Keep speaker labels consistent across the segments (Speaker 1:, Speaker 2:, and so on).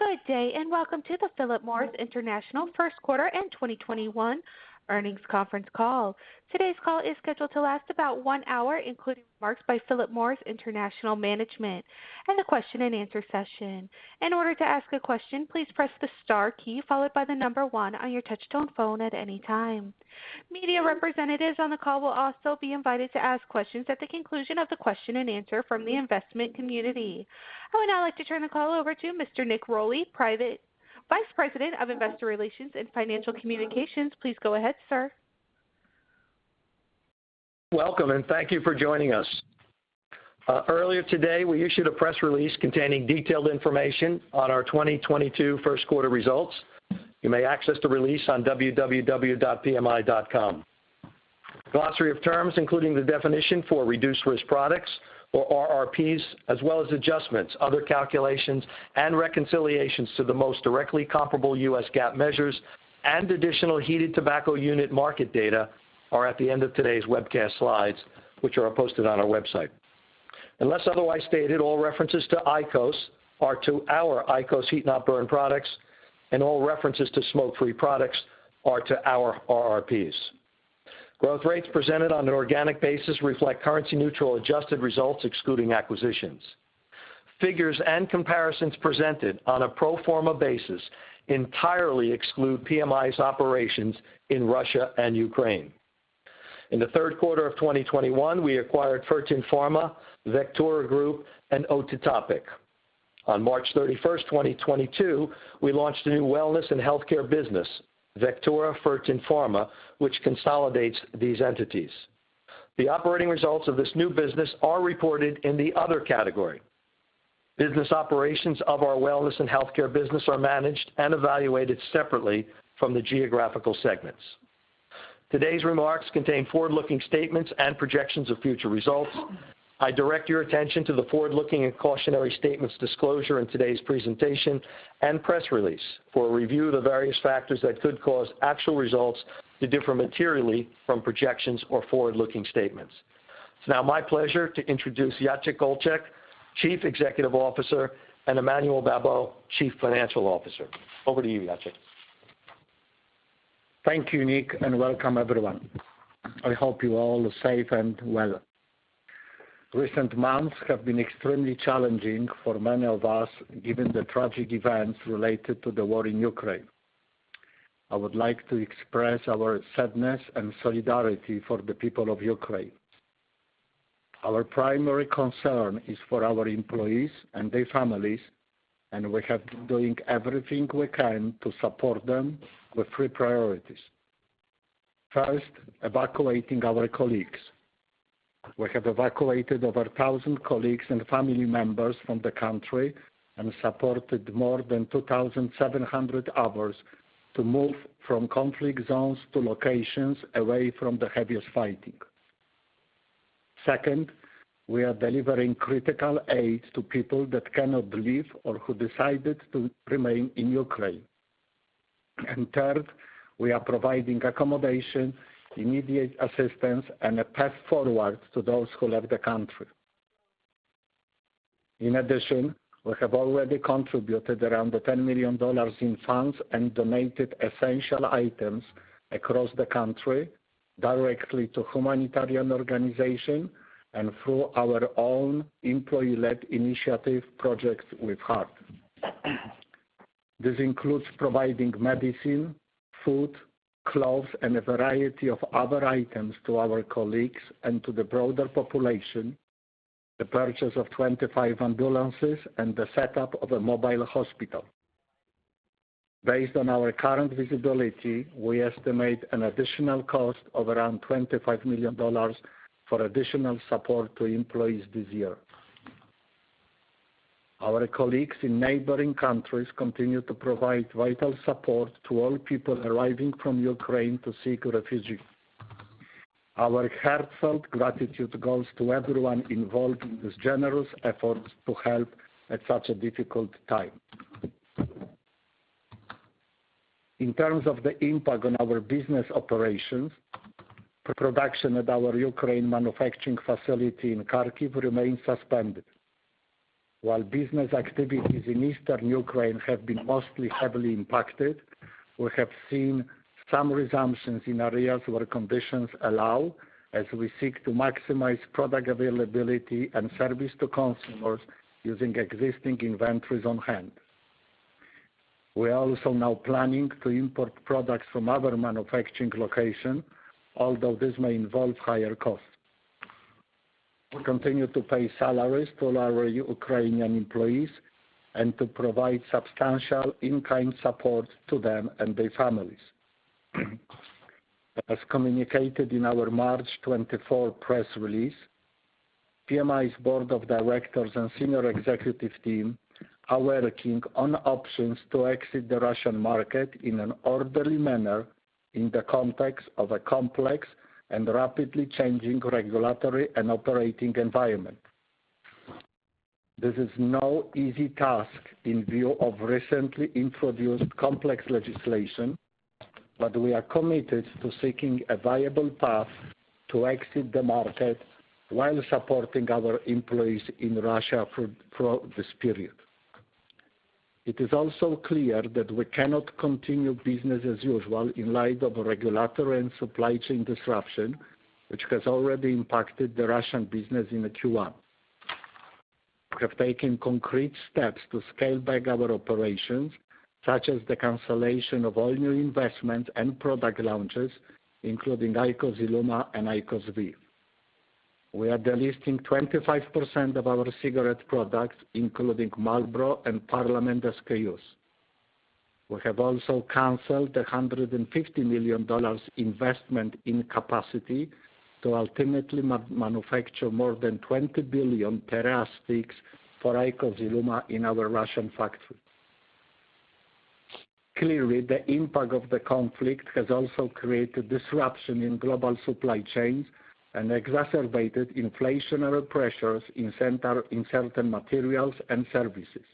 Speaker 1: Good day, and welcome to the Philip Morris International first quarter 2021 earnings conference call. Today's call is scheduled to last about one hour, including remarks by Philip Morris International management, and a question and answer session. In order to ask a question, please press the star key followed by the number one on your touch-tone phone at any time. Media representatives on the call will also be invited to ask questions at the conclusion of the question and answer from the investment community. I would now like to turn the call over to Mr. Nick Rolli, Vice President of Investor Relations and Financial Communications. Please go ahead, sir.
Speaker 2: Welcome, and thank you for joining us. Earlier today, we issued a press release containing detailed information on our 2022 first quarter results. You may access the release on www.pmi.com. Glossary of terms, including the definition for Reduced-Risk Products, or RRPs, as well as adjustments, other calculations, and reconciliations to the most directly comparable US GAAP measures and additional heated tobacco unit market data are at the end of today's webcast slides, which are posted on our website. Unless otherwise stated, all references to IQOS are to our IQOS heat-not-burn products, and all references to Smoke-Free Products are to our RRPs. Growth rates presented on an organic basis reflect currency-neutral adjusted results excluding acquisitions. Figures and comparisons presented on a pro forma basis entirely exclude PMI's operations in Russia and Ukraine. In the third quarter of 2021, we acquired Fertin Pharma, Vectura Group, and OtiTopic. On March 31st, 2022, we launched a new Wellness and Healthcare business, Vectura Fertin Pharma, which consolidates these entities. The operating results of this new business are reported in the other category. Business operations of our Wellness and Healthcare business are managed and evaluated separately from the geographical segments. Today's remarks contain forward-looking statements and projections of future results. I direct your attention to the forward-looking and cautionary statements disclosure in today's presentation and press release for a review of the various factors that could cause actual results to differ materially from projections or forward-looking statements. It's now my pleasure to introduce Jacek Olczak, Chief Executive Officer, and Emmanuel Babeau, Chief Financial Officer. Over to you, Jacek.
Speaker 3: Thank you, Nick, and welcome everyone. I hope you all are safe and well. Recent months have been extremely challenging for many of us, given the tragic events related to the war in Ukraine. I would like to express our sadness and solidarity for the people of Ukraine. Our primary concern is for our employees and their families, and we have been doing everything we can to support them with three priorities. First, evacuating our colleagues. We have evacuated over 1,000 colleagues and family members from the country and supported more than 2,700 others to move from conflict zones to locations away from the heaviest fighting. Second, we are delivering critical aid to people that cannot leave or who decided to remain in Ukraine. Third, we are providing accommodation, immediate assistance, and a path forward to those who left the country. In addition, we have already contributed around $10 million in funds and donated essential items across the country directly to humanitarian organization and through our own employee-led initiative Projects with Heart. This includes providing medicine, food, clothes, and a variety of other items to our colleagues and to the broader population, the purchase of 25 ambulances, and the setup of a mobile hospital. Based on our current visibility, we estimate an additional cost of around $25 million for additional support to employees this year. Our colleagues in neighboring countries continue to provide vital support to all people arriving from Ukraine to seek refuge. Our heartfelt gratitude goes to everyone involved in these generous efforts to help at such a difficult time. In terms of the impact on our business operations, production at our Ukraine manufacturing facility in Kharkiv remains suspended. While business activities in Eastern Ukraine have been mostly heavily impacted, we have seen some resumptions in areas where conditions allow as we seek to maximize product availability and service to consumers using existing inventories on hand. We are also now planning to import products from other manufacturing location, although this may involve higher costs. We continue to pay salaries to our Ukrainian employees and to provide substantial in-kind support to them and their families. As communicated in our March 24 press release, PMI's board of directors and senior executive team are working on options to exit the Russian market in an orderly manner in the context of a complex and rapidly changing regulatory and operating environment. This is no easy task in view of recently introduced complex legislation. We are committed to seeking a viable path to exit the market while supporting our employees in Russia for this period. It is also clear that we cannot continue business as usual in light of regulatory and supply chain disruption, which has already impacted the Russian business in the Q1. We have taken concrete steps to scale back our operations, such as the cancellation of all new investment and product launches, including IQOS ILUMA and IQOS VEEV. We are delisting 25% of our cigarette products, including Marlboro and Parliament SKUs. We have also canceled $150 million investment in capacity to ultimately manufacture more than 20 billion TEREA sticks for IQOS ILUMA in our Russian factory. Clearly, the impact of the conflict has also created disruption in global supply chains and exacerbated inflationary pressures in certain materials and services.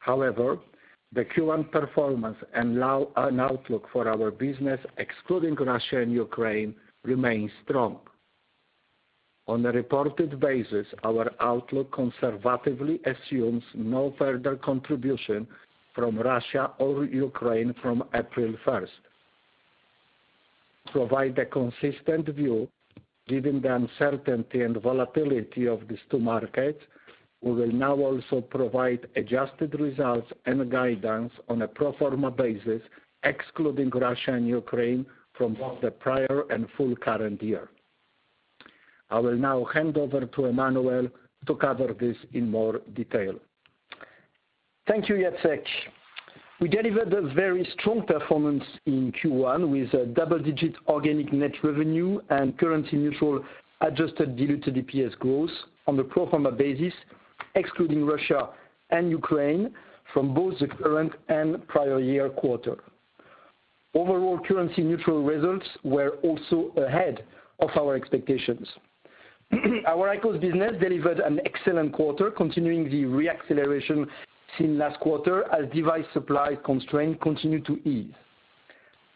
Speaker 3: However, the Q1 performance and outlook for our business, excluding Russia and Ukraine, remains strong. On a reported basis, our outlook conservatively assumes no further contribution from Russia or Ukraine from April 1st. To provide a consistent view, given the uncertainty and volatility of these two markets, we will now also provide adjusted results and guidance on a pro forma basis, excluding Russia and Ukraine from both the prior and full current year. I will now hand over to Emmanuel to cover this in more detail.
Speaker 4: Thank you, Jacek. We delivered a very strong performance in Q1 with double-digit organic net revenue and currency neutral adjusted diluted EPS growth on the pro forma basis, excluding Russia and Ukraine from both the current and prior year quarter. Overall currency neutral results were also ahead of our expectations. Our IQOS business delivered an excellent quarter, continuing the re-acceleration seen last quarter as device supply constraints continued to ease.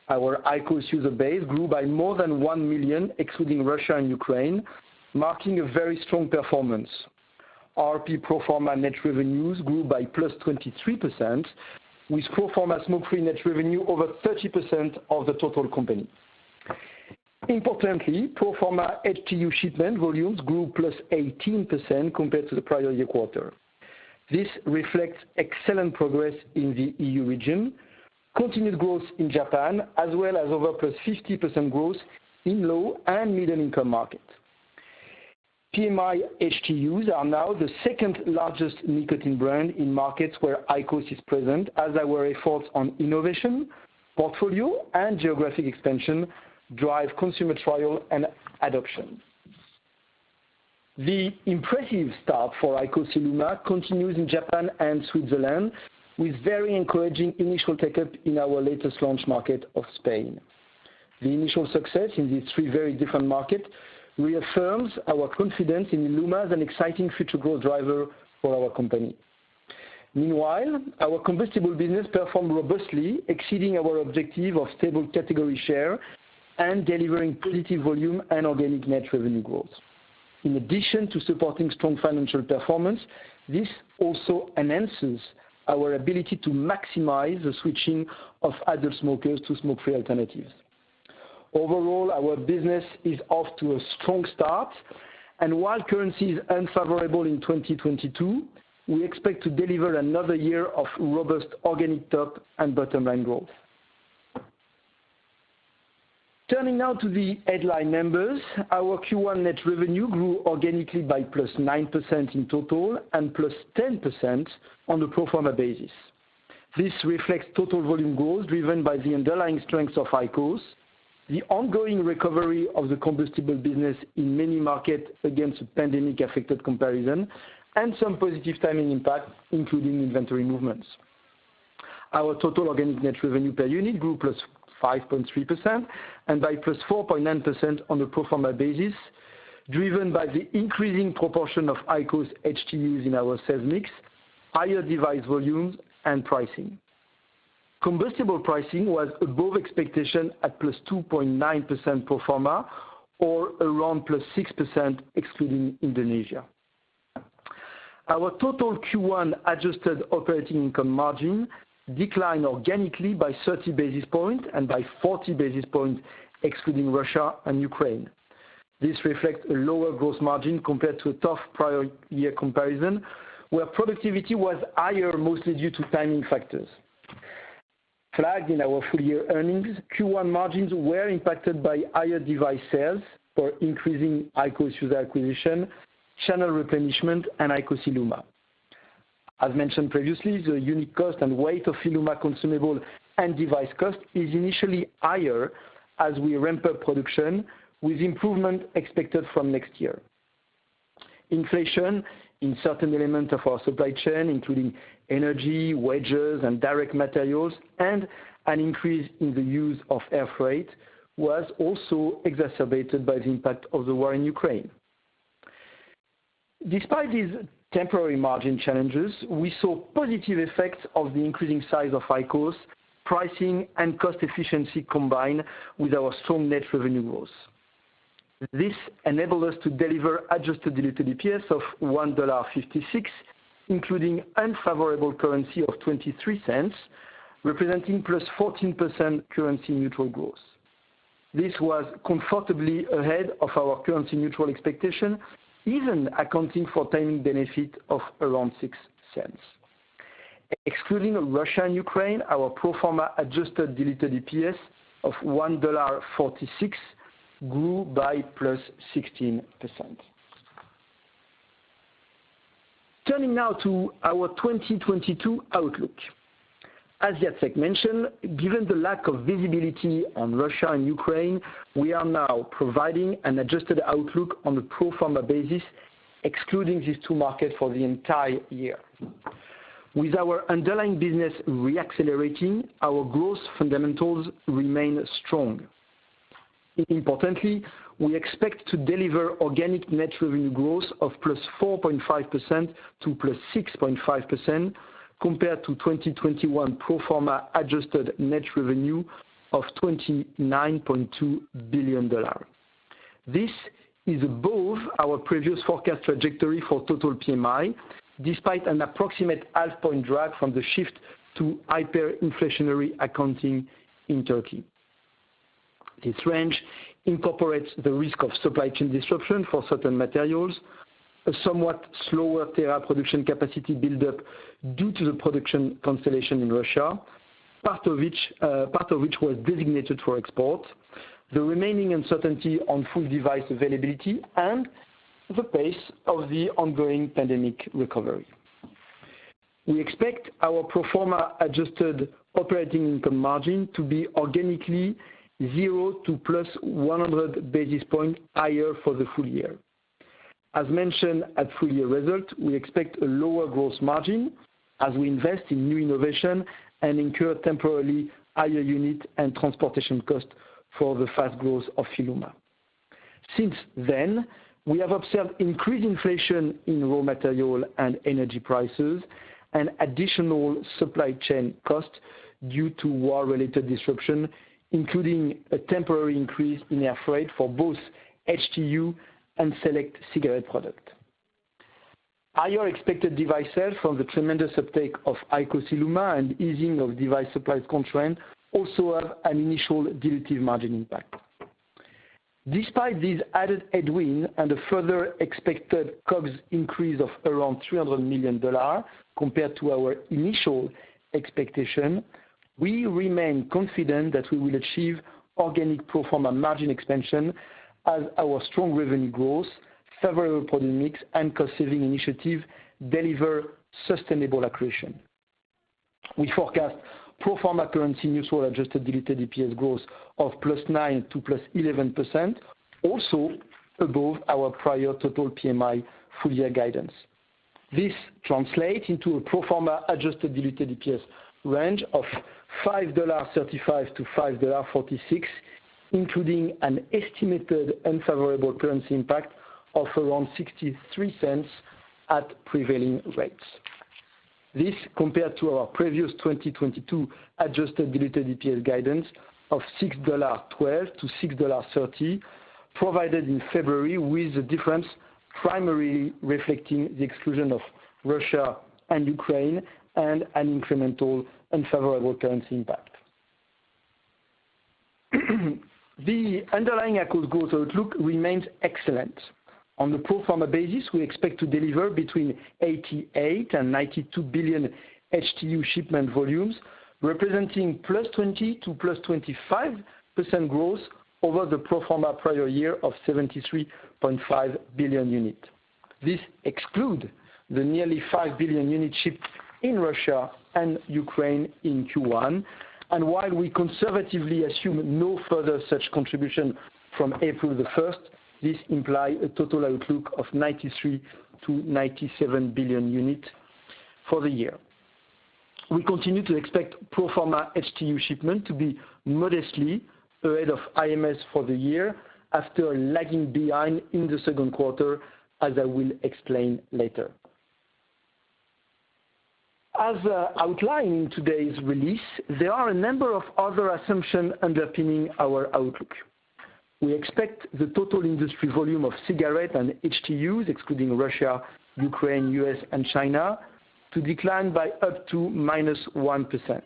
Speaker 4: Our IQOS user base grew by more than 1 million, excluding Russia and Ukraine, marking a very strong performance. RRP pro forma net revenues grew by +23%, with pro forma smoke-free net revenue over 30% of the total company. Importantly, pro forma HTU shipment volumes grew +18% compared to the prior year quarter. This reflects excellent progress in the EU region, continued growth in Japan, as well as over +50% growth in low and middle income markets. PMI HTUs are now the second-largest nicotine brand in markets where IQOS is present, as our efforts on innovation, portfolio, and geographic expansion drive consumer trial and adoption. The impressive start for IQOS ILUMA continues in Japan and Switzerland, with very encouraging initial take-up in our latest launch market of Spain. The initial success in these three very different markets reaffirms our confidence in ILUMA as an exciting future growth driver for our company. Meanwhile, our combustible business performed robustly, exceeding our objective of stable category share and delivering positive volume and organic net revenue growth. In addition to supporting strong financial performance, this also enhances our ability to maximize the switching of adult smokers to smoke-free alternatives. Overall, our business is off to a strong start, and while currency is unfavorable in 2022, we expect to deliver another year of robust organic top and bottom line growth. Turning now to the headline numbers. Our Q1 net revenue grew organically by +9% in total and +10% on a pro forma basis. This reflects total volume growth driven by the underlying strengths of IQOS, the ongoing recovery of the combustible business in many markets against a pandemic-affected comparison, and some positive timing impact, including inventory movements. Our total organic net revenue per unit grew +5.3% and by +4.9% on a pro forma basis, driven by the increasing proportion of IQOS HTUs in our sales mix, higher device volumes, and pricing. Combustible pricing was above expectation at +2.9% pro forma or around +6% excluding Indonesia. Our total Q1 adjusted operating income margin declined organically by 30 basis points and by 40 basis points excluding Russia and Ukraine. This reflects a lower gross margin compared to a tough prior year comparison, where productivity was higher, mostly due to timing factors. Flagged in our full year earnings, Q1 margins were impacted by higher device sales for increasing IQOS user acquisition, channel replenishment, and IQOS ILUMA. As mentioned previously, the unit cost and weight of ILUMA consumable and device cost is initially higher as we ramp up production, with improvement expected from next year. Inflation in certain elements of our supply chain, including energy, wages, and direct materials, and an increase in the use of air freight, was also exacerbated by the impact of the war in Ukraine. Despite these temporary margin challenges, we saw positive effects of the increasing size of IQOS, pricing, and cost efficiency combined with our strong net revenue growth. This enabled us to deliver adjusted diluted EPS of $1.56, including unfavorable currency of $0.23, representing +14% currency neutral growth. This was comfortably ahead of our currency neutral expectation, even accounting for timing benefit of around $0.06. Excluding Russia and Ukraine, our pro forma adjusted diluted EPS of $1.46 grew by +16%. Turning now to our 2022 outlook. As Jacek mentioned, given the lack of visibility on Russia and Ukraine, we are now providing an adjusted outlook on a pro forma basis, excluding these two markets for the entire year. With our underlying business re-accelerating, our growth fundamentals remain strong. Importantly, we expect to deliver organic net revenue growth of +4.5% to +6.5% compared to 2021 pro forma adjusted net revenue of $29.2 billion. This is above our previous forecast trajectory for total PMI, despite an approximate half point drop from the shift to hyperinflationary accounting in Turkey. This range incorporates the risk of supply chain disruption for certain materials, a somewhat slower TEREA production capacity build-up due to the production constellation in Russia, part of which was designated for export, the remaining uncertainty on full device availability, and the pace of the ongoing pandemic recovery. We expect our pro forma adjusted operating income margin to be organically 0 to +100 basis points higher for the full year. As mentioned at full year results, we expect a lower growth margin as we invest in new innovation and incur temporarily higher unit and transportation costs for the fast growth of ILUMA. Since then, we have observed increased inflation in raw material and energy prices and additional supply chain costs due to war-related disruption, including a temporary increase in air freight for both HTU and select cigarette products. Higher expected device sales from the tremendous uptake of IQOS ILUMA and easing of device supply constraints also have an initial dilutive margin impact. Despite these added headwinds and a further expected COGS increase of around $300 million compared to our initial expectation, we remain confident that we will achieve organic pro forma margin expansion as our strong revenue growth, favorable product mix, and cost-saving initiatives deliver sustainable accretion. We forecast pro forma currency neutral adjusted diluted EPS growth of +9% to +11%, also above our prior total PMI full-year guidance. This translates into a pro forma adjusted diluted EPS range of $5.35-$5.46, including an estimated unfavorable currency impact of around $0.63 at prevailing rates. This compared to our previous 2022 adjusted diluted EPS guidance of $6.12-$6.30, provided in February with the difference primarily reflecting the exclusion of Russia and Ukraine and an incremental unfavorable currency impact. The underlying IQOS growth outlook remains excellent. On the pro forma basis, we expect to deliver between 88 billion and 92 billion HTU shipment volumes, representing +20% to +25% growth over the pro forma prior year of 73.5 billion units. This excludes the nearly 5 billion units shipped in Russia and Ukraine in Q1. While we conservatively assume no further such contribution from April 1st, this implies a total outlook of 93 billion-97 billion units for the year. We continue to expect pro forma HTU shipment to be modestly ahead of IMS for the year after lagging behind in the second quarter, as I will explain later. As outlined in today's release, there are a number of other assumptions underpinning our outlook. We expect the total industry volume of cigarette and HTUs, excluding Russia, Ukraine, U.S., and China, to decline by up to -1%.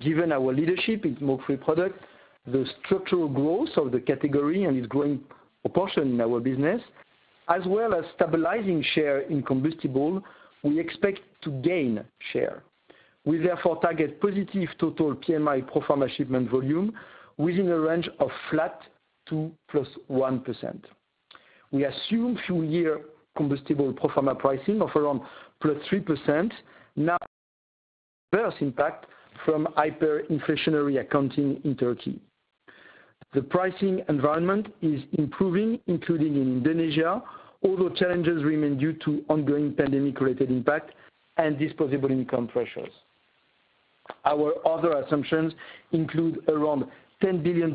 Speaker 4: Given our leadership in Smoke-Free Products, the structural growth of the category and its growing proportion in our business, as well as stabilizing share in combustible, we expect to gain share. We therefore target positive total PMI pro forma shipment volume within a range of flat to +1%. We assume full-year combustible pro forma pricing of around +3%, no adverse impact from hyperinflationary accounting in Turkey. The pricing environment is improving, including in Indonesia, although challenges remain due to ongoing pandemic-related impact and disposable income pressures. Our other assumptions include around $10 billion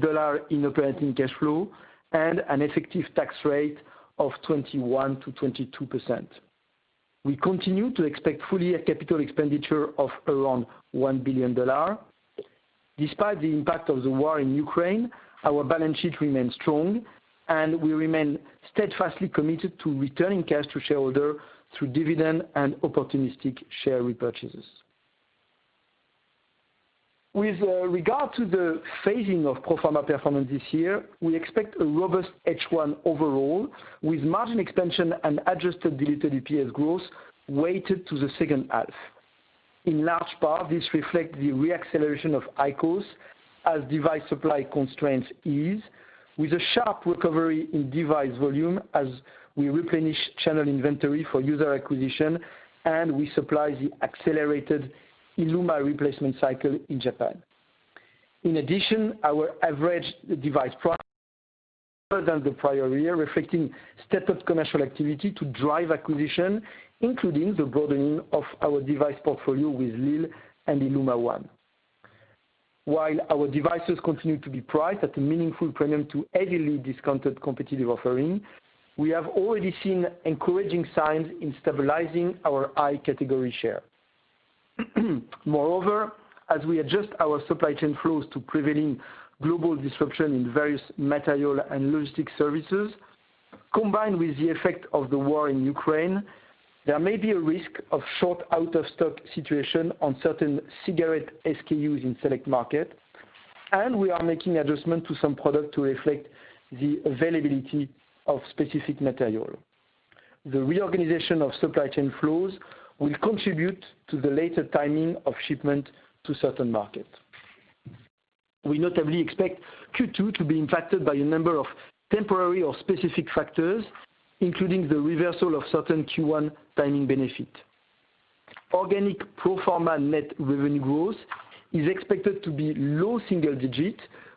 Speaker 4: in operating cash flow and an effective tax rate of 21%-22%. We continue to expect full-year capital expenditure of around $1 billion. Despite the impact of the war in Ukraine, our balance sheet remains strong, and we remain steadfastly committed to returning cash to shareholder through dividend and opportunistic share repurchases. With regard to the phasing of pro forma performance this year, we expect a robust H1 overall, with margin expansion and adjusted diluted EPS growth weighted to the second half. In large part, this reflects the re-acceleration of IQOS as device supply constraints ease with a sharp recovery in device volume as we replenish channel inventory for user acquisition, and we supply the accelerated ILUMA replacement cycle in Japan. In addition, our average device price was higher than the prior year, reflecting stepped up commercial activity to drive acquisition, including the broadening of our device portfolio with lil and ILUMA ONE. While our devices continue to be priced at a meaningful premium to heavily discounted competitive offering, we have already seen encouraging signs in stabilizing our IQOS category share. Moreover, as we adjust our supply chain flows to prevailing global disruption in various material and logistics services, combined with the effect of the war in Ukraine, there may be a risk of short out-of-stock situation on certain cigarette SKUs in select market, and we are making adjustment to some product to reflect the availability of specific material. The reorganization of supply chain flows will contribute to the later timing of shipment to certain market. We notably expect Q2 to be impacted by a number of temporary or specific factors, including the reversal of certain Q1 timing benefit. Organic pro forma net revenue growth is expected to be low single digit,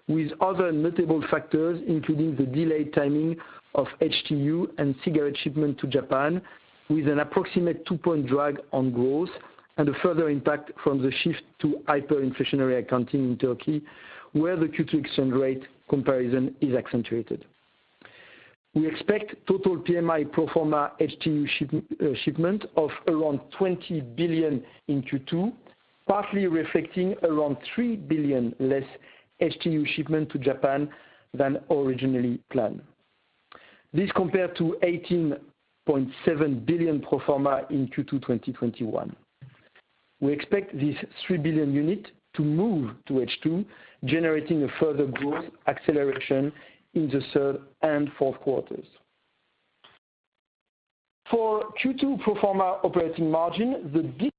Speaker 4: with other notable factors, including the delayed timing of HTU and cigarette shipment to Japan with an approximate 2-point drag on growth and a further impact from the shift to hyperinflationary accounting in Turkey, where the Q2 extent rate comparison is accentuated. We expect total PMI pro forma HTU shipment of around 20 billion in Q2, partly reflecting around 3 billion less HTU shipment to Japan than originally planned. This compared to 18.7 billion pro forma in Q2, 2021. We expect this 3 billion unit to move to H2, generating a further growth acceleration in the third and fourth quarters. For Q2 pro forma operating margin,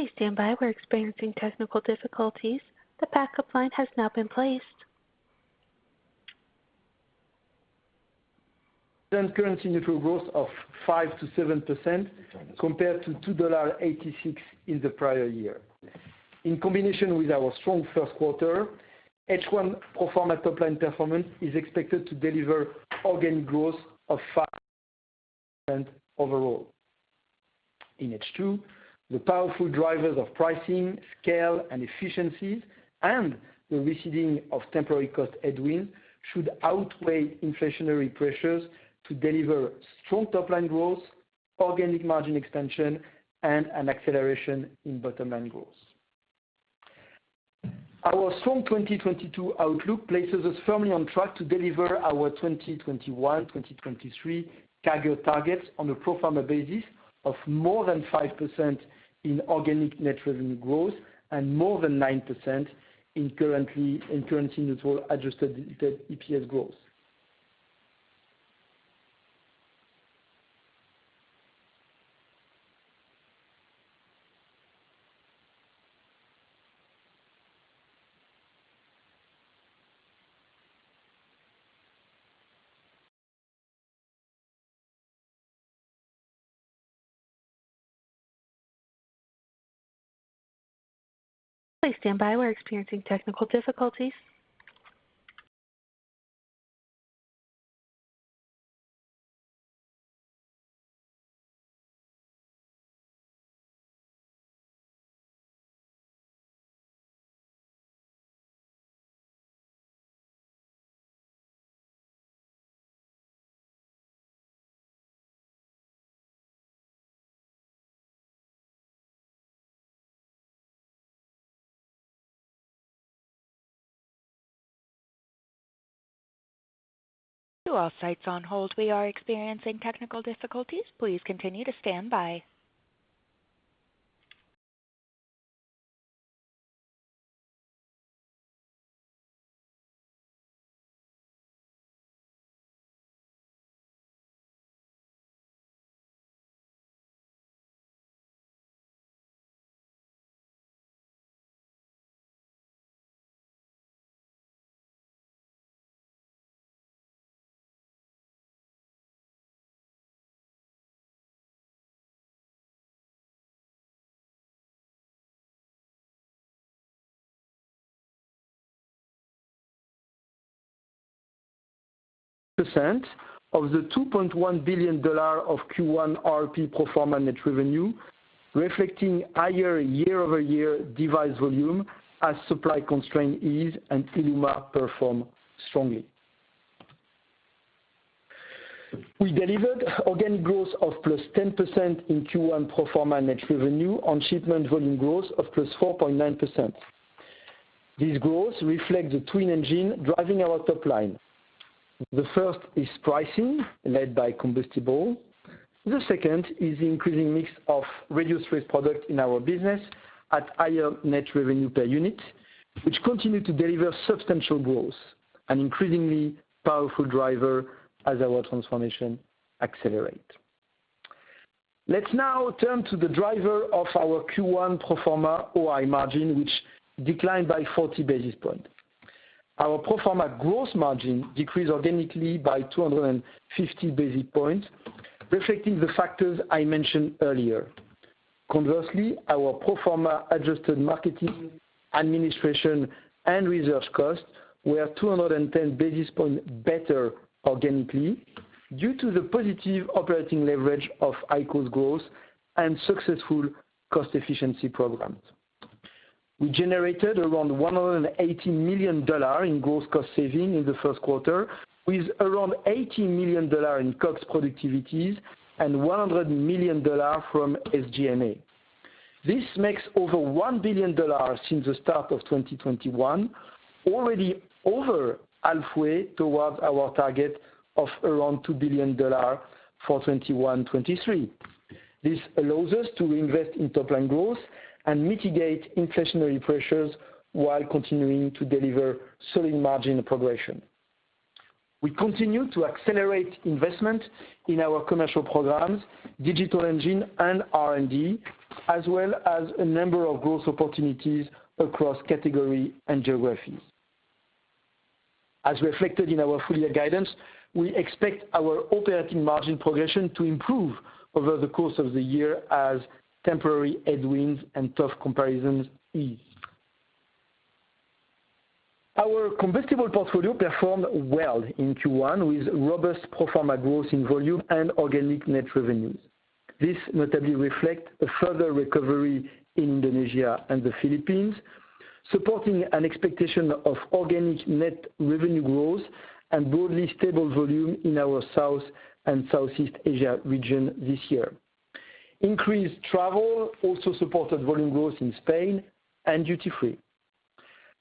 Speaker 4: the big
Speaker 1: Please stand by. We're experiencing technical difficulties. The backup line has now been placed.
Speaker 4: The currency neutral growth of 5%-7% compared to $2.86 in the prior year. In combination with our strong first quarter, H1 pro forma top line performance is expected to deliver organic growth of 5% overall. In H2, the powerful drivers of pricing, scale, and efficiencies and the receding of temporary cost headwind should outweigh inflationary pressures to deliver strong top line growth, organic margin expansion, and an acceleration in bottom line growth. Our strong 2022 outlook places us firmly on track to deliver our 2021/2023 CAGR targets on a pro forma basis of more than 5% in organic net revenue growth and more than 9% in currency neutral adjusted EPS growth.
Speaker 1: Please stand by. We're experiencing technical difficulties. To all sites on hold, we are experiencing technical difficulties. Please continue to stand by.
Speaker 4: 30.4% of the $2.1 billion of Q1 RRP pro forma net revenue, reflecting higher year-over-year device volume as supply constraints ease and ILUMA performs strongly. We delivered organic growth of +10% in Q1 pro forma net revenue on shipment volume growth of +4.9%. This growth reflects the twin engine driving our top line. The first is pricing, led by Combustibles. The second is increasing mix of Reduced-Risk Products in our business at higher net revenue per unit, which continue to deliver substantial growth, an increasingly powerful driver as our transformation accelerate. Let's now turn to the driver of our Q1 pro forma OI margin, which declined by 40 basis points. Our pro forma gross margin decreased organically by 250 basis points, reflecting the factors I mentioned earlier. Conversely, our pro forma adjusted marketing, administration, and research costs were 210 basis points better organically due to the positive operating leverage of IQOS growth and successful cost efficiency programs. We generated around $180 million in gross cost saving in the first quarter, with around $80 million in COGS productivities and $100 million from SG&A. This makes over $1 billion since the start of 2021, already over halfway towards our target of around $2 billion for 2021/2023. This allows us to invest in top line growth and mitigate inflationary pressures while continuing to deliver solid margin progression. We continue to accelerate investment in our commercial programs, digital engine, and R&D, as well as a number of growth opportunities across category and geographies. As reflected in our full year guidance, we expect our operating margin progression to improve over the course of the year as temporary headwinds and tough comparisons ease. Our combustible portfolio performed well in Q1, with robust pro forma growth in volume and organic net revenues. This notably reflect a further recovery in Indonesia and the Philippines, supporting an expectation of organic net revenue growth and broadly stable volume in our South and Southeast Asia region this year. Increased travel also supported volume growth in Spain and duty-free.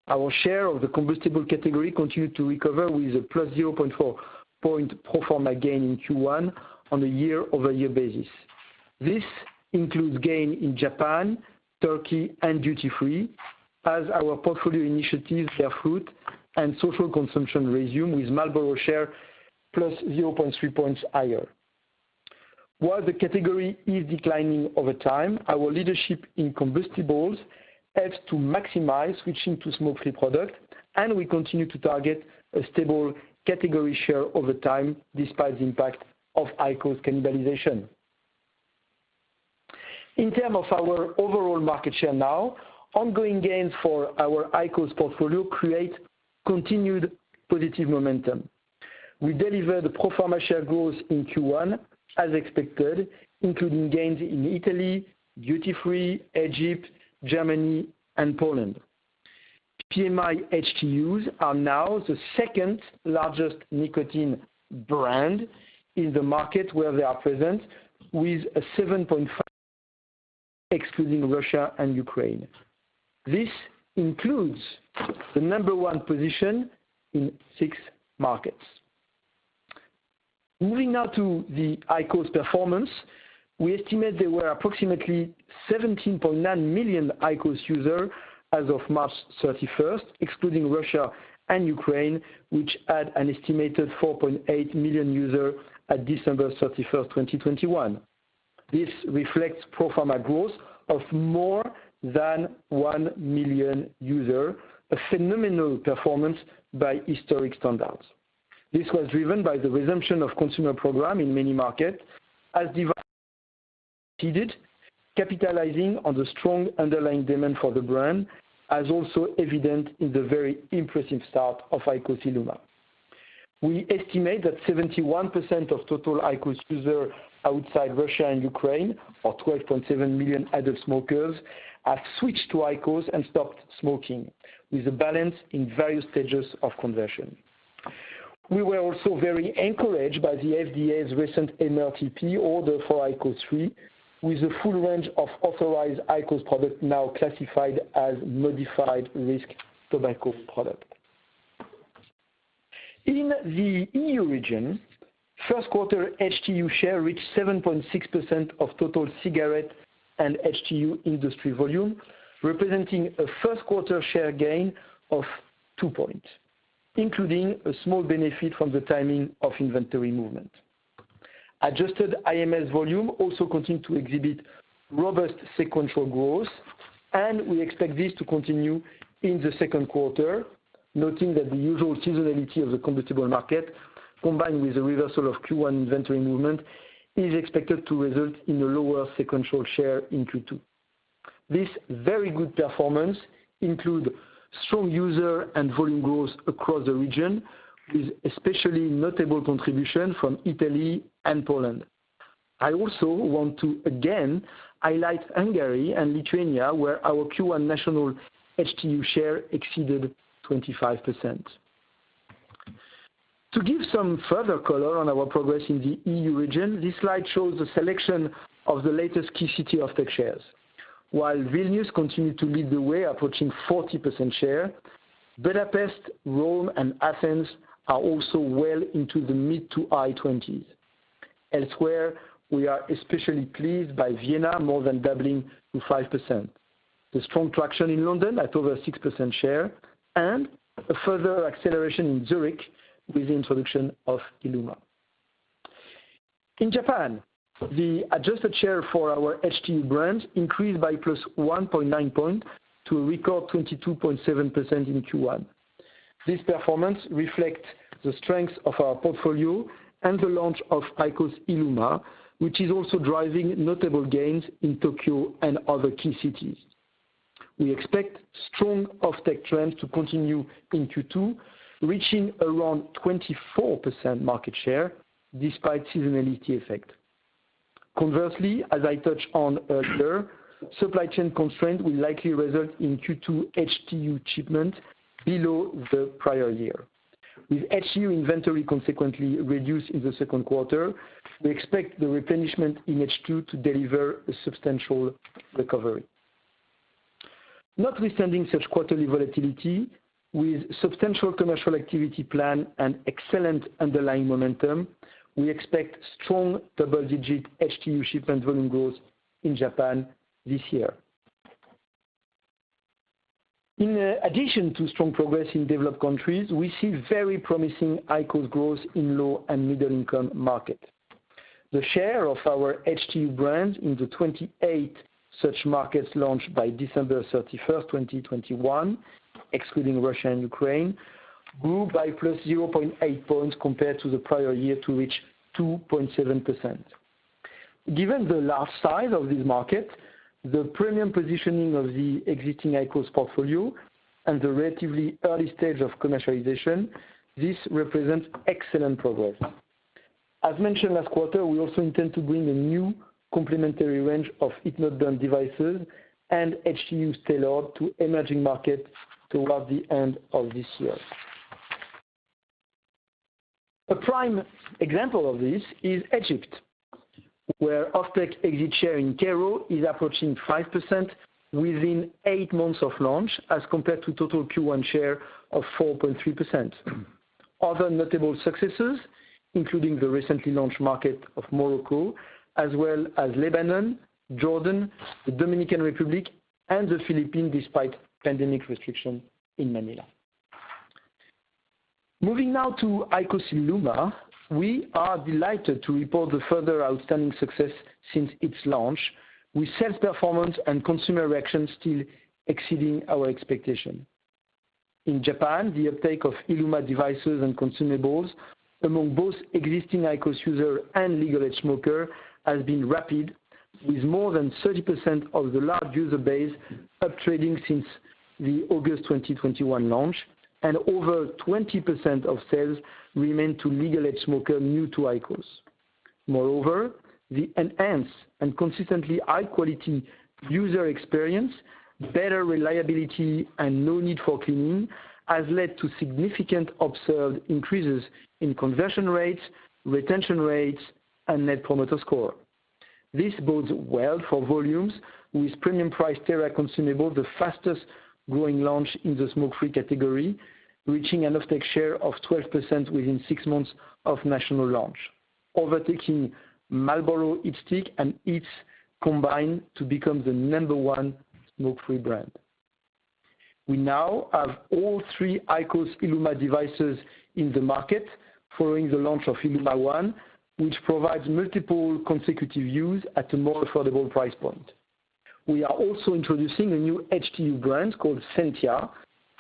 Speaker 4: Our share of the combustible category continued to recover with a +0.4-point pro forma gain in Q1 on a year-over-year basis. This includes gain in Japan, Turkey, and duty-free as our portfolio initiatives bear fruit and social consumption resume with Marlboro share +0.3 points higher. While the category is declining over time, our leadership in Combustibles helps to maximize switching to Smoke-Free Product, and we continue to target a stable category share over time despite the impact of IQOS cannibalization. In terms of our overall market share now, ongoing gains for our IQOS portfolio create continued positive momentum. We delivered pro forma share growth in Q1 as expected, including gains in Italy, duty-free, Egypt, Germany, and Poland. PMI HTUs are now the second-largest nicotine brand in the market where they are present, with a 7.5% excluding Russia and Ukraine. This includes the number one position in six markets. Moving now to the IQOS performance. We estimate there were approximately 17.9 million IQOS users as of March 31st, excluding Russia and Ukraine, which had an estimated 4.8 million users at December 31st, 2021. This reflects pro forma growth of more than 1 million users, a phenomenal performance by historic standards. This was driven by the resumption of consumer program in many markets as devices proceeded, capitalizing on the strong underlying demand for the brand, as also evident in the very impressive start of IQOS ILUMA. We estimate that 71% of total IQOS users outside Russia and Ukraine, or 12.7 million adult smokers, have switched to IQOS and stopped smoking, with a balance in various stages of conversion. We were also very encouraged by the FDA's recent MRTP order for IQOS 3, with a full range of authorized IQOS product now classified as modified risk tobacco product. In the EU region, first quarter HTU share reached 7.6% of total cigarette and HTU industry volume, representing a first quarter share gain of 2 points, including a small benefit from the timing of inventory movement. Adjusted IMS volume also continued to exhibit robust sequential growth, and we expect this to continue in the second quarter, noting that the usual seasonality of the combustible market, combined with the reversal of Q1 inventory movement, is expected to result in a lower sequential share in Q2. This very good performance include strong user and volume growth across the region, with especially notable contribution from Italy and Poland. I also want to again highlight Hungary and Lithuania, where our Q1 national HTU share exceeded 25%. To give some further color on our progress in the EU region, this slide shows a selection of the latest key city offtake shares. While Vilnius continued to lead the way, approaching 40% share, Budapest, Rome, and Athens are also well into the mid- to high 20s. Elsewhere, we are especially pleased by Vienna more than doubling to 5%. The strong traction in London at over 6% share and a further acceleration in Zurich with the introduction of ILUMA. In Japan, the adjusted share for our HT brand increased by +1.9 point to a record 22.7% in Q1. This performance reflects the strength of our portfolio and the launch of IQOS ILUMA, which is also driving notable gains in Tokyo and other key cities. We expect strong offtake trends to continue in Q2, reaching around 24% market share despite seasonality effect. Conversely, as I touched on earlier, supply chain constraint will likely result in Q2 HTU shipment below the prior year. With HTU inventory consequently reduced in the second quarter, we expect the replenishment in H2 to deliver a substantial recovery. Notwithstanding such quarterly volatility, with substantial commercial activity plan and excellent underlying momentum, we expect strong double-digit HTU shipment volume growth in Japan this year. In addition to strong progress in developed countries, we see very promising IQOS growth in low and middle income market. The share of our HTU brand in the 28 such markets launched by December 31st, 2021, excluding Russia and Ukraine, grew by +0.8 points compared to the prior year to reach 2.7%. Given the large size of this market, the premium positioning of the existing IQOS portfolio and the relatively early stage of commercialization, this represents excellent progress. As mentioned last quarter, we also intend to bring a new complementary range of heat-not-burn devices and HTU tailored to emerging markets towards the end of this year. A prime example of this is Egypt, where offtake share in Cairo is approaching 5% within eight months of launch, as compared to total Q1 share of 4.3%. Other notable successes, including the recently launched market of Morocco, as well as Lebanon, Jordan, the Dominican Republic, and the Philippines, despite pandemic restriction in Manila. Moving now to IQOS ILUMA, we are delighted to report the further outstanding success since its launch, with sales performance and consumer reaction still exceeding our expectation. In Japan, the uptake of ILUMA devices and consumables among both existing IQOS user and legal-age smoker has been rapid, with more than 30% of the large user base uptrading since the August 2021 launch, and over 20% of sales remain to legal-age smoker new to IQOS. Moreover, the enhanced and consistently high quality user experience, better reliability and no need for cleaning has led to significant observed increases in conversion rates, retention rates, and net promoter score. This bodes well for volumes with premium price TEREA consumable, the fastest growing launch in the smoke-free category, reaching an offtake share of 12% within six months of national launch, overtaking Marlboro HeatSticks and HEETS combined to become the number one smoke-free brand. We now have all three IQOS ILUMA devices in the market following the launch of ILUMA ONE, which provides multiple consecutive use at a more affordable price point. We are also introducing a new HTU brand called SENTIA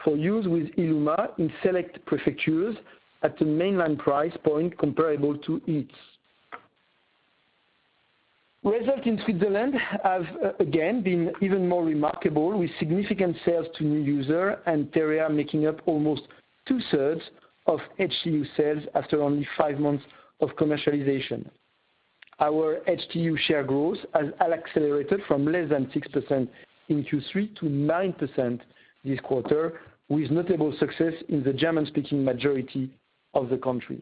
Speaker 4: for use with ILUMA in select prefectures at the mainland price point comparable to HEETS. Results in Switzerland have again been even more remarkable, with significant sales to new user and TEREA making up almost two-thirds of HTU sales after only five months of commercialization. Our HTU share growth has accelerated from less than 6% in Q3 to 9% this quarter, with notable success in the German-speaking majority of the country.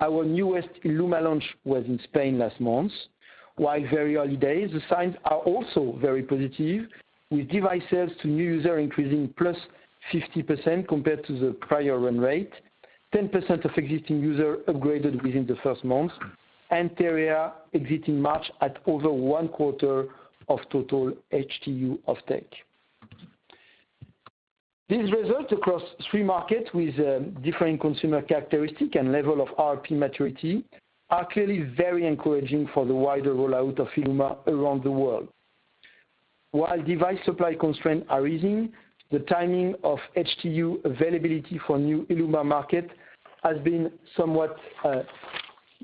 Speaker 4: Our newest ILUMA launch was in Spain last month. While very early days, the signs are also very positive, with device sales to new user increasing +50% compared to the prior run rate. 10% of existing user upgraded within the first month, and TEREA exiting March at over one quarter of total HTU offtake. These results across three markets with different consumer characteristic and level of RRP maturity are clearly very encouraging for the wider rollout of ILUMA around the world. While device supply constraints are easing, the timing of HTU availability for new ILUMA market has been somewhat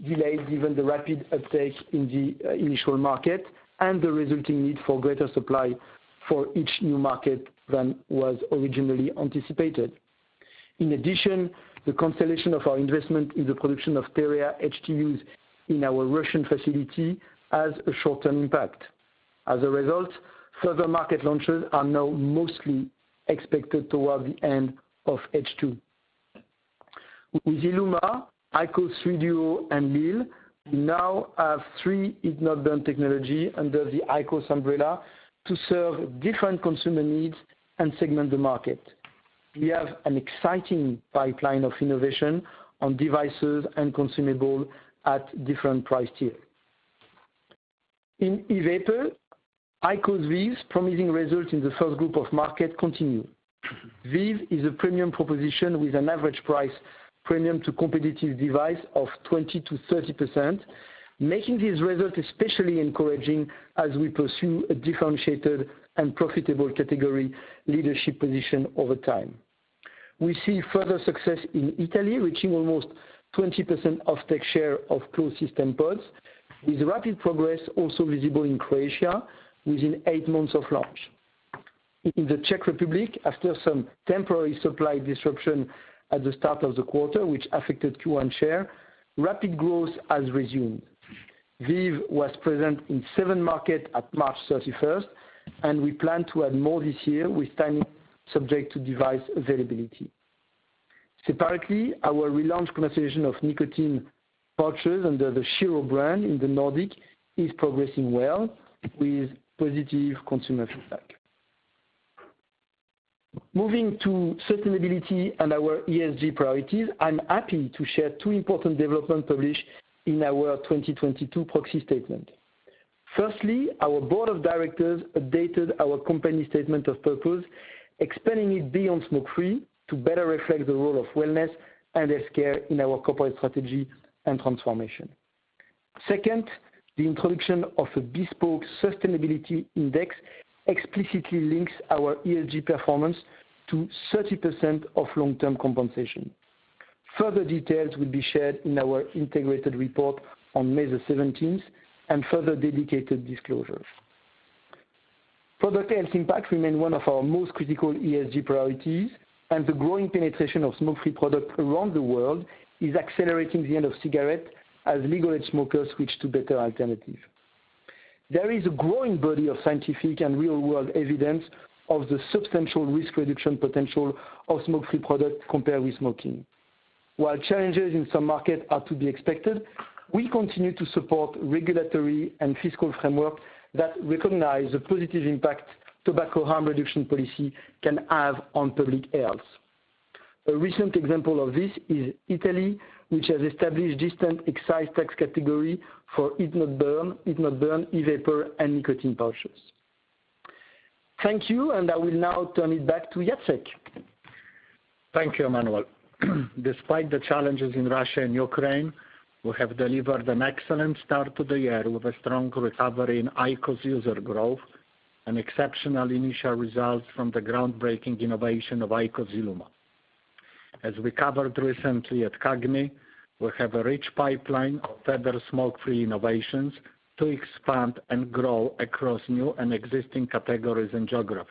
Speaker 4: delayed given the rapid uptake in the initial market and the resulting need for greater supply for each new market than was originally anticipated. In addition, the constellation of our investment in the production of TEREA HTUs in our Russian facility has a short-term impact. As a result, further market launches are now mostly expected towards the end of H2. With ILUMA, IQOS Duo, and lil, we now have three heat-not-burn technology under the IQOS umbrella to serve different consumer needs and segment the market. We have an exciting pipeline of innovation on devices and consumable at different price tier. In e-vapor, IQOS VEEV's promising results in the first group of market continue. VEEV is a premium proposition with an average price premium to competitive device of 20%-30%, making these results especially encouraging as we pursue a differentiated and profitable category leadership position over time. We see further success in Italy, reaching almost 20% offtake share of closed system pods, with rapid progress also visible in Croatia within eight months of launch. In the Czech Republic, after some temporary supply disruption at the start of the quarter, which affected Q1 share, rapid growth has resumed. VEEV was present in seven markets at March 31st, and we plan to add more this year with timing subject to device availability. Separately, our relaunch of nicotine pouches under the SHIRO brand in the Nordics is progressing well with positive consumer feedback. Moving to sustainability and our ESG priorities, I'm happy to share two important developments published in our 2022 proxy statement. Firstly, our Board of Directors updated our company statement of purpose, expanding it beyond smoke-free to better reflect the role of Wellness and Healthcare in our corporate strategy and transformation. Second, the introduction of a bespoke sustainability index explicitly links our ESG performance to 30% of long-term compensation. Further details will be shared in our integrated report on May 17th and further dedicated disclosures. Product health impacts remain one of our most critical ESG priorities, and the growing penetration of Smoke-Free Products around the world is accelerating the end of cigarettes as legal-age smokers switch to better alternatives. There is a growing body of scientific and real-world evidence of the substantial risk reduction potential of Smoke-Free Products compared with smoking. While challenges in some markets are to be expected, we continue to support regulatory and fiscal framework that recognize the positive impact tobacco harm reduction policy can have on public health. A recent example of this is Italy, which has established distinct excise tax category for heat not burn, e-vapor, and nicotine pouches. Thank you, and I will now turn it back to Jacek.
Speaker 3: Thank you, Emmanuel. Despite the challenges in Russia and Ukraine, we have delivered an excellent start to the year with a strong recovery in IQOS user growth and exceptional initial results from the groundbreaking innovation of IQOS ILUMA. As we covered recently at CAGNY, we have a rich pipeline of further smoke-free innovations to expand and grow across new and existing categories and geography.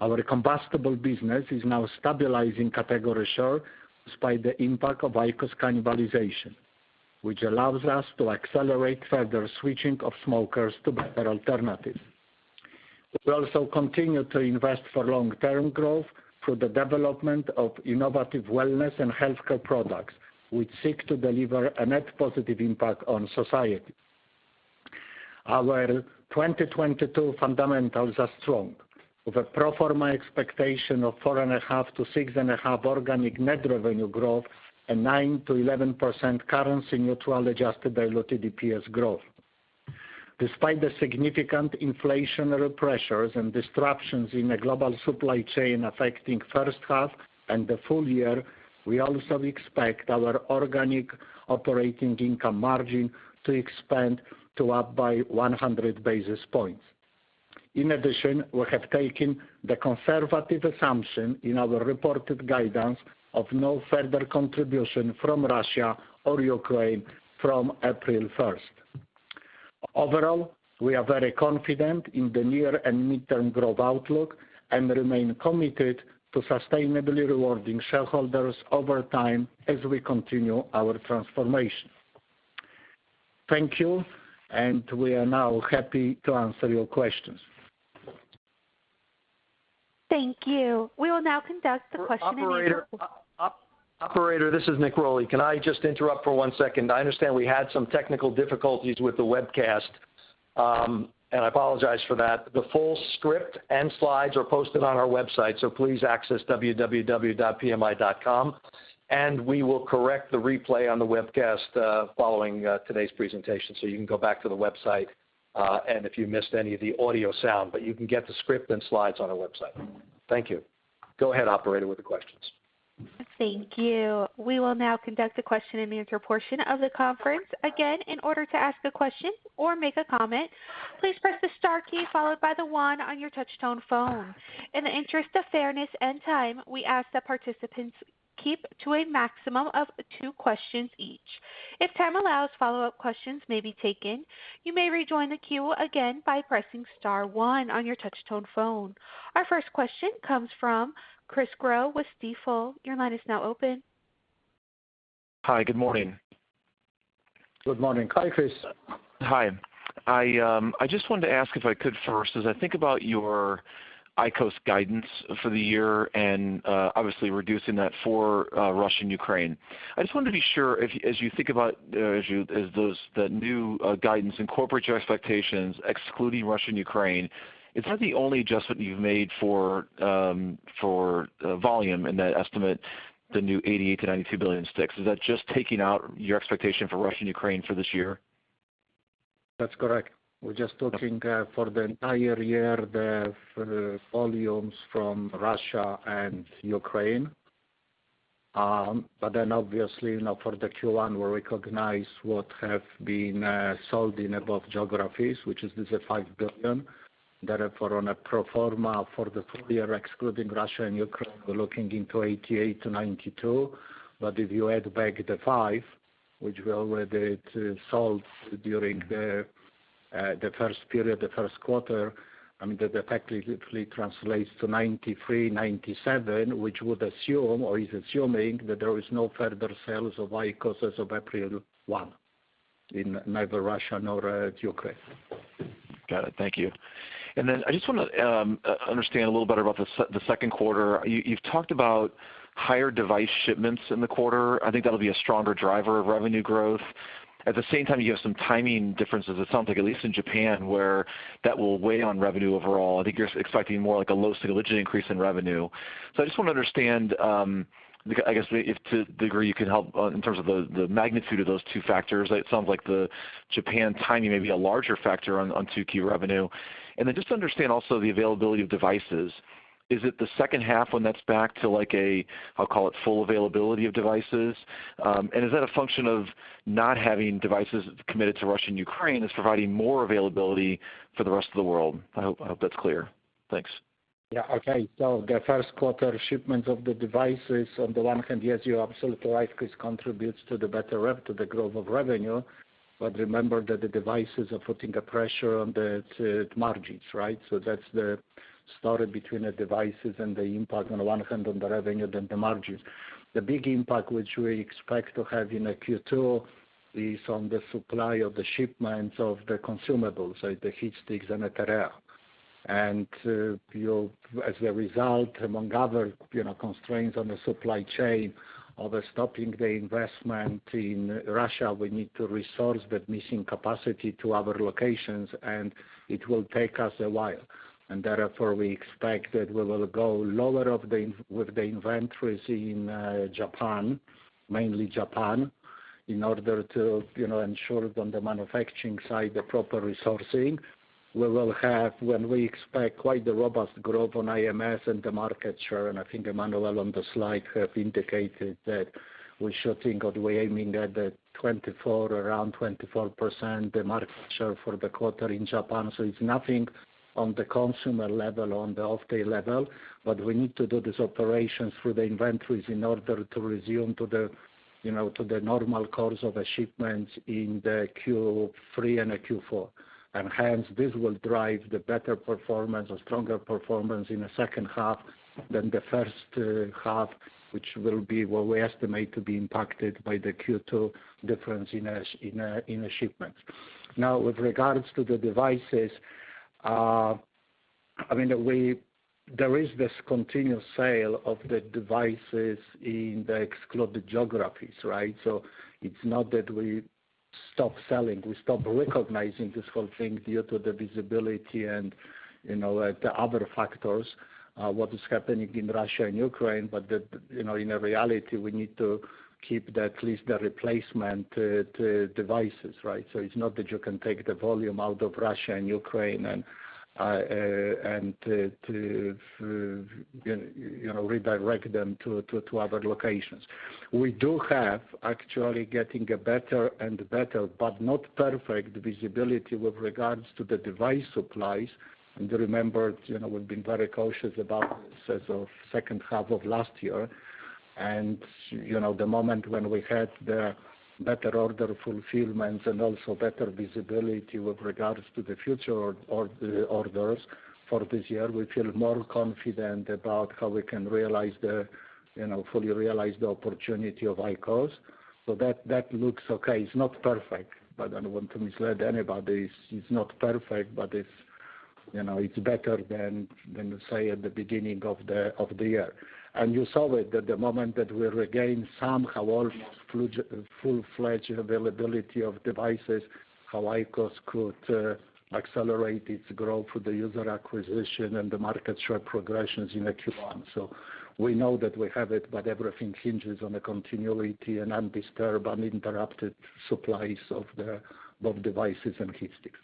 Speaker 3: Our combustible business is now stabilizing category share despite the impact of IQOS cannibalization, which allows us to accelerate further switching of smokers to better alternatives. We also continue to invest for long-term growth through the development of innovative Wellness and Healthcare products, which seek to deliver a net positive impact on society. Our 2022 fundamentals are strong, with a pro forma expectation of 4.5%-6.5% organic net revenue growth and 9%-11% currency neutral adjusted diluted EPS growth. Despite the significant inflationary pressures and disruptions in the global supply chain affecting first half and the full year, we also expect our organic operating income margin to expand up by 100 basis points. In addition, we have taken the conservative assumption in our reported guidance of no further contribution from Russia or Ukraine from April 1st. Overall, we are very confident in the near and mid-term growth outlook and remain committed to sustainably rewarding shareholders over time as we continue our transformation. Thank you, and we are now happy to answer your questions.
Speaker 1: Thank you. We will now conduct the question and answer.
Speaker 2: Operator, this is Nick Rolli. Can I just interrupt for one second? I understand we had some technical difficulties with the webcast, and I apologize for that. The full script and slides are posted on our website, so please access www.pmi.com. We will correct the replay on the webcast following today's presentation. You can go back to the website, and if you missed any of the audio sound, but you can get the script and slides on our website. Thank you. Go ahead, operator, with the questions.
Speaker 1: Thank you. We will now conduct the question and answer portion of the conference. Again, in order to ask a question or make a comment, please press the star key followed by the one on your touch-tone phone. In the interest of fairness and time, we ask that participants keep to a maximum of two questions each. If time allows, follow-up questions may be taken. You may rejoin the queue again by pressing star one on your touch-tone phone. Our first question comes from Chris Growe with Stifel. Your line is now open.
Speaker 5: Hi, good morning.
Speaker 3: Good morning.
Speaker 4: Hi, Chris.
Speaker 5: Hi. I just wanted to ask if I could first as I think about your IQOS guidance for the year and obviously reducing that for Russia and Ukraine. I just wanted to be sure if as you think about the new guidance incorporates your expectations excluding Russia and Ukraine is that the only adjustment you've made for volume in that estimate the new 88 billion-92 billion sticks? Is that just taking out your expectation for Russia and Ukraine for this year?
Speaker 3: That's correct. We're just talking for the entire year, for the volumes from Russia and Ukraine. Obviously, you know, for the Q1, we recognize what have been sold in above geographies, which is the 5 billion. Therefore, on a pro forma for the full year, excluding Russia and Ukraine, we're looking into 88 billion-92 billion. If you add back the 5 billion, which we already sold during the first quarter, that effectively translates to 93 billion-97 billion, which would assume or is assuming that there is no further sales of IQOS as of April 1 in neither Russia nor Ukraine.
Speaker 5: Got it. Thank you. Then I just want to understand a little better about the second quarter. You've talked about higher device shipments in the quarter. I think that'll be a stronger driver of revenue growth. At the same time, you have some timing differences, it sounds like, at least in Japan, where that will weigh on revenue overall. I think you're expecting more like a low single-digit increase in revenue. I just want to understand, I guess, to the degree you can help in terms of the magnitude of those two factors. It sounds like the Japan timing may be a larger factor on 2Q revenue. Then just to understand also the availability of devices. Is it the second half when that's back to like a full availability of devices? Is that a function of not having devices committed to Russia and Ukraine is providing more availability for the rest of the world? I hope that's clear. Thanks.
Speaker 3: Yeah. Okay. The first quarter shipments of the devices, on the one hand, yes, you're absolutely right, Chris, contributes to the better rev, to the growth of revenue. Remember that the devices are putting a pressure on the margins, right? That's the story between the devices and the impact on the one hand on the revenue, then the margins. The big impact which we expect to have in the Q2 is on the supply of the shipments of the consumables, so the heat sticks. As a result, among other, you know, constraints on the supply chain of stopping the investment in Russia, we need to resource that missing capacity to other locations, and it will take us a while. Therefore, we expect that we will go lower on the inventories in Japan, mainly Japan, in order to ensure on the manufacturing side the proper resourcing. We will have when we expect quite the robust growth on IMS and the market share, and I think Emmanuel on the slide have indicated that we should think of we're aiming at the 24%, around 24% the market share for the quarter in Japan. It's nothing on the consumer level, on the offtake level, but we need to do these operations through the inventories in order to return to the normal course of the shipments in the Q3 and Q4. Hence, this will drive the better performance or stronger performance in the second half than the first half, which will be what we estimate to be impacted by the Q2 difference in the shipments. Now, with regards to the devices, I mean, there is this continuous sale of the devices in the excluded geographies, right? So it's not that we stop selling. We stop recognizing this whole thing due to the visibility and, you know, the other factors, what is happening in Russia and Ukraine. In reality, we need to keep at least the replacement devices, right? So it's not that you can take the volume out of Russia and Ukraine and to you know, redirect them to other locations. We do have actually getting a better and better, but not perfect visibility with regards to the device supplies. Remember, you know, we've been very cautious about this as of second half of last year. You know, the moment when we had the better order fulfillments and also better visibility with regards to the future orders for this year, we feel more confident about how we can fully realize the opportunity of IQOS. That looks okay. It's not perfect, but I don't want to mislead anybody. It's not perfect, but it's. You know, it's better than, say, at the beginning of the year. You saw it the moment that we regained somehow almost full-fledged availability of devices, how IQOS could accelerate its growth with the user acquisition and the market share progressions in the Q1. We know that we have it, but everything hinges on a continuous and undisturbed, uninterrupted supply of devices and heat sticks.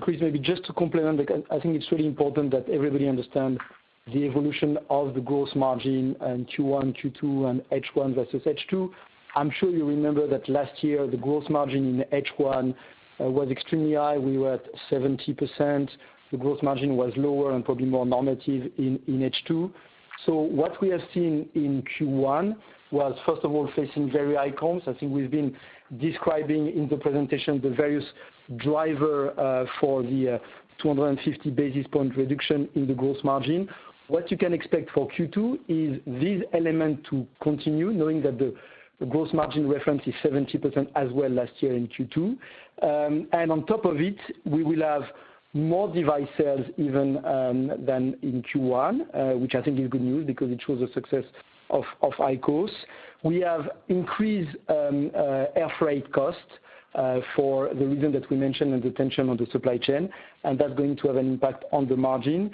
Speaker 4: Chris, maybe just to complement, like, I think it's really important that everybody understand the evolution of the gross margin in Q1, Q2, and H1 versus H2. I'm sure you remember that last year, the gross margin in H1 was extremely high. We were at 70%. The gross margin was lower and probably more normative in H2. What we have seen in Q1 was, first of all, facing very high costs. I think we've been describing in the presentation the various driver for the 250 basis point reduction in the gross margin. What you can expect for Q2 is this element to continue, knowing that the gross margin reference is 70% as well last year in Q2. On top of it, we will have more device sales even than in Q1, which I think is good news because it shows the success of IQOS. We have increased air freight costs for the reason that we mentioned and the tension on the supply chain, and that's going to have an impact on the margin.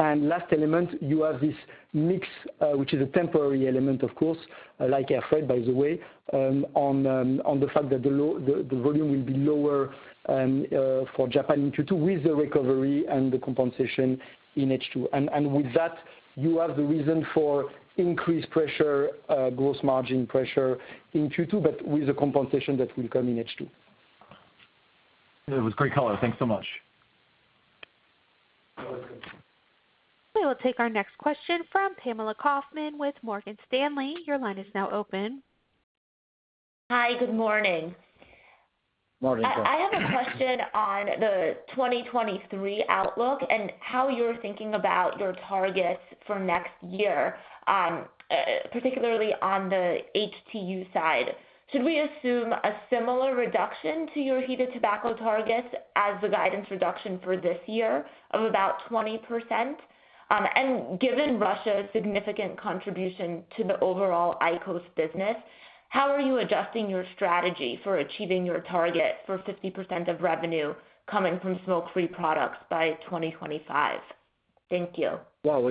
Speaker 4: Last element, you have this mix, which is a temporary element, of course, like air freight, by the way, on the fact that the volume will be lower for Japan in Q2 with the recovery and the compensation in H2. With that, you have the reason for increased pressure, gross margin pressure in Q2, but with the compensation that will come in H2.
Speaker 5: It was great color. Thanks so much.
Speaker 3: That was good.
Speaker 1: We will take our next question from Pamela Kaufman with Morgan Stanley. Your line is now open.
Speaker 6: Hi, good morning.
Speaker 3: Morning, Pam.
Speaker 6: I have a question on the 2023 outlook and how you're thinking about your targets for next year, particularly on the HTU side. Should we assume a similar reduction to your heated tobacco targets as the guidance reduction for this year of about 20%? Given Russia's significant contribution to the overall IQOS business, how are you adjusting your strategy for achieving your target for 50% of revenue coming from Smoke-Free Products by 2025? Thank you.
Speaker 3: Well,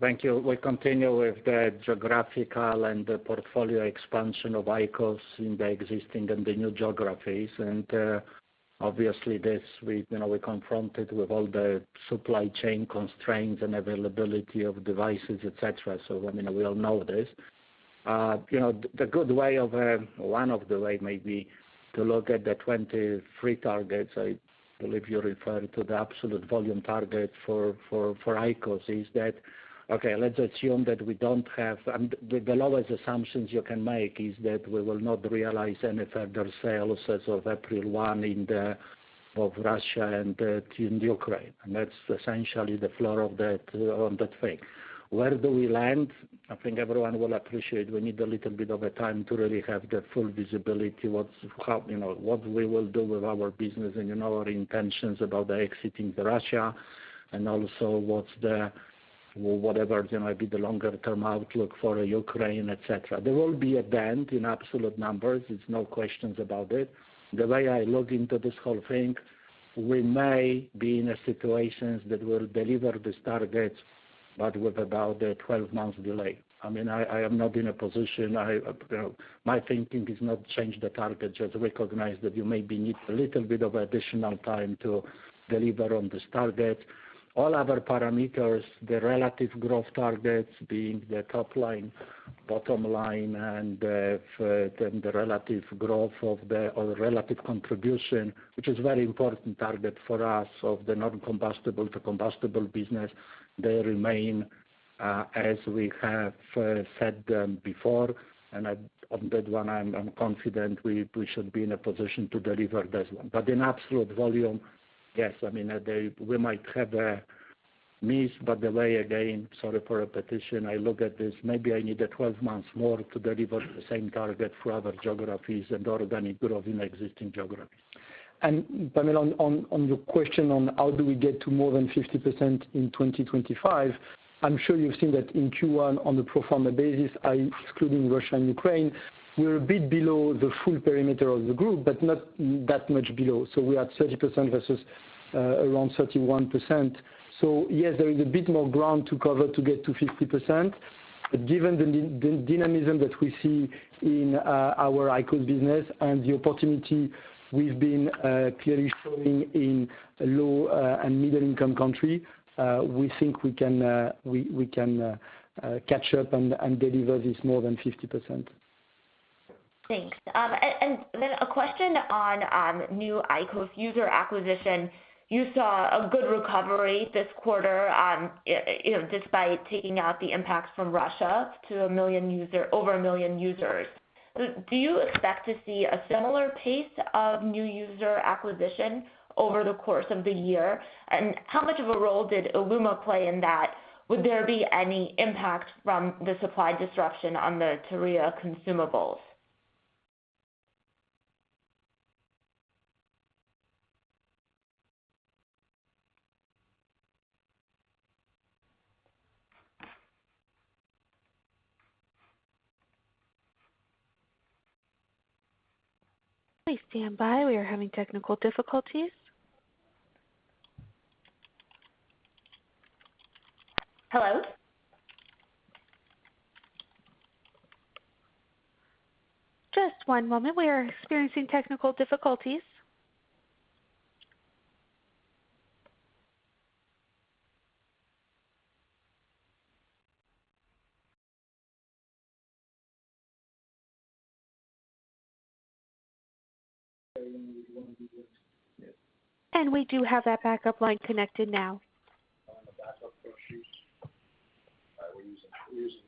Speaker 3: thank you. We continue with the geographical and the portfolio expansion of IQOS in the existing and the new geographies. Obviously this week, you know, we're confronted with all the supply chain constraints and availability of devices, et cetera. I mean, we all know this. You know, the good way of one of the ways maybe to look at the 2023 targets, I believe you're referring to the absolute volume target for IQOS, is that, okay, let's assume that we don't have. The lowest assumptions you can make is that we will not realize any further sales as of April 1 in Russia and in Ukraine. That's essentially the floor of that on that thing. Where do we land? I think everyone will appreciate we need a little bit of time to really have the full visibility you know, what we will do with our business and, you know, our intentions about exiting Russia and also what's the, well, whatever, you know, be the longer-term outlook for Ukraine, et cetera. There will be a bend in absolute numbers. It's no question about it. The way I look into this whole thing, we may be in a situation that will deliver this target, but with about a 12-month delay. I mean, I am not in a position. You know, my thinking is not change the target, just recognize that we may need a little bit of additional time to deliver on this target. All other parameters, the relative growth targets being the top line, bottom line and then the relative growth of the, or the relative contribution, which is very important target for us of the non-combustible to combustible business, they remain as we have said them before. I, on that one, I'm confident we should be in a position to deliver this one. In absolute volume, yes, I mean, we might have a miss. The way, again, sorry for repetition, I look at this, maybe I need 12 months more to deliver the same target for other geographies and organic growth in existing geographies.
Speaker 4: Pamela, on your question on how do we get to more than 50% in 2025, I'm sure you've seen that in Q1 on the pro forma basis, excluding Russia and Ukraine, we're a bit below the full perimeter of the group, but not that much below. We're at 30% versus around 31%. Yes, there is a bit more ground to cover to get to 50%. Given the dynamism that we see in our IQOS business and the opportunity we've been clearly showing in low and middle-income country, we think we can catch up and deliver this more than 50%.
Speaker 6: Thanks. A question on new IQOS user acquisition. You saw a good recovery this quarter, you know, despite taking out the impact from Russia to 1 million users, over 1 million users. Do you expect to see a similar pace of new user acquisition over the course of the year? And how much of a role did ILUMA play in that? Would there be any impact from the supply disruption on the TEREA consumables?
Speaker 1: Please stand by. We are having technical difficulties.
Speaker 6: Hello?
Speaker 1: Just one moment. We are experiencing technical difficulties. And we do have that backup line connected now.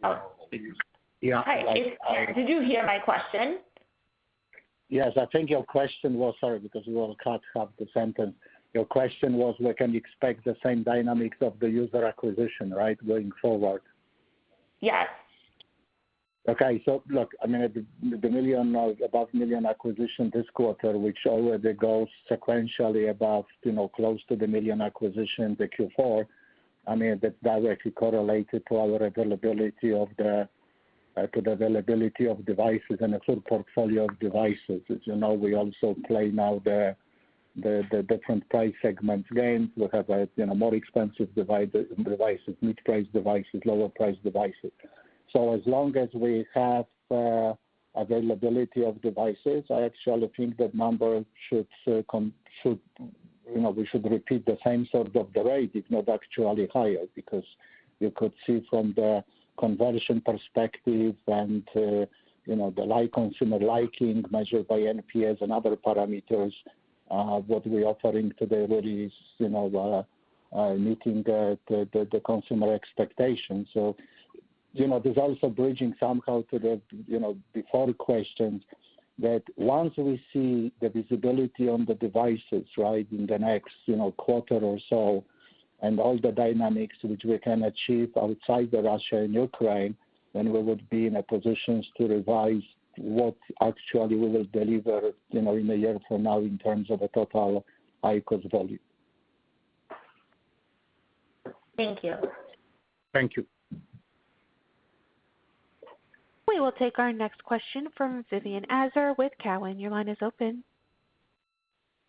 Speaker 6: Hi, did you hear my question?
Speaker 3: Yes. I think your question was, sorry, because we were cut off the sentence. Your question was we can expect the same dynamics of the user acquisition, right, going forward?
Speaker 6: Yes.
Speaker 3: Look, I mean, the more than a million acquisition this quarter, which already goes sequentially above, you know, close to a million acquisitions at Q4. I mean, that actually correlated to the availability of devices and a full portfolio of devices. As you know, we also play now the different price segments games. We have, you know, more expensive devices, mid-price devices, lower priced devices. As long as we have availability of devices, I actually think that number should, you know, we should repeat the same sort of rate, if not actually higher. Because you could see from the conversion perspective and, you know, the consumer liking measured by NPS and other parameters, what we're offering today already is, you know, meeting the consumer expectations. You know, there's also bridging somehow to the, you know, prior questions that once we see the visibility on the devices, right, in the next, you know, quarter or so, and all the dynamics which we can achieve outside Russia and Ukraine, then we would be in a position to revise what actually we will deliver, you know, in a year from now in terms of a total IQOS value.
Speaker 6: Thank you.
Speaker 3: Thank you.
Speaker 1: We will take our next question from Vivien Azer with Cowen. Your line is open.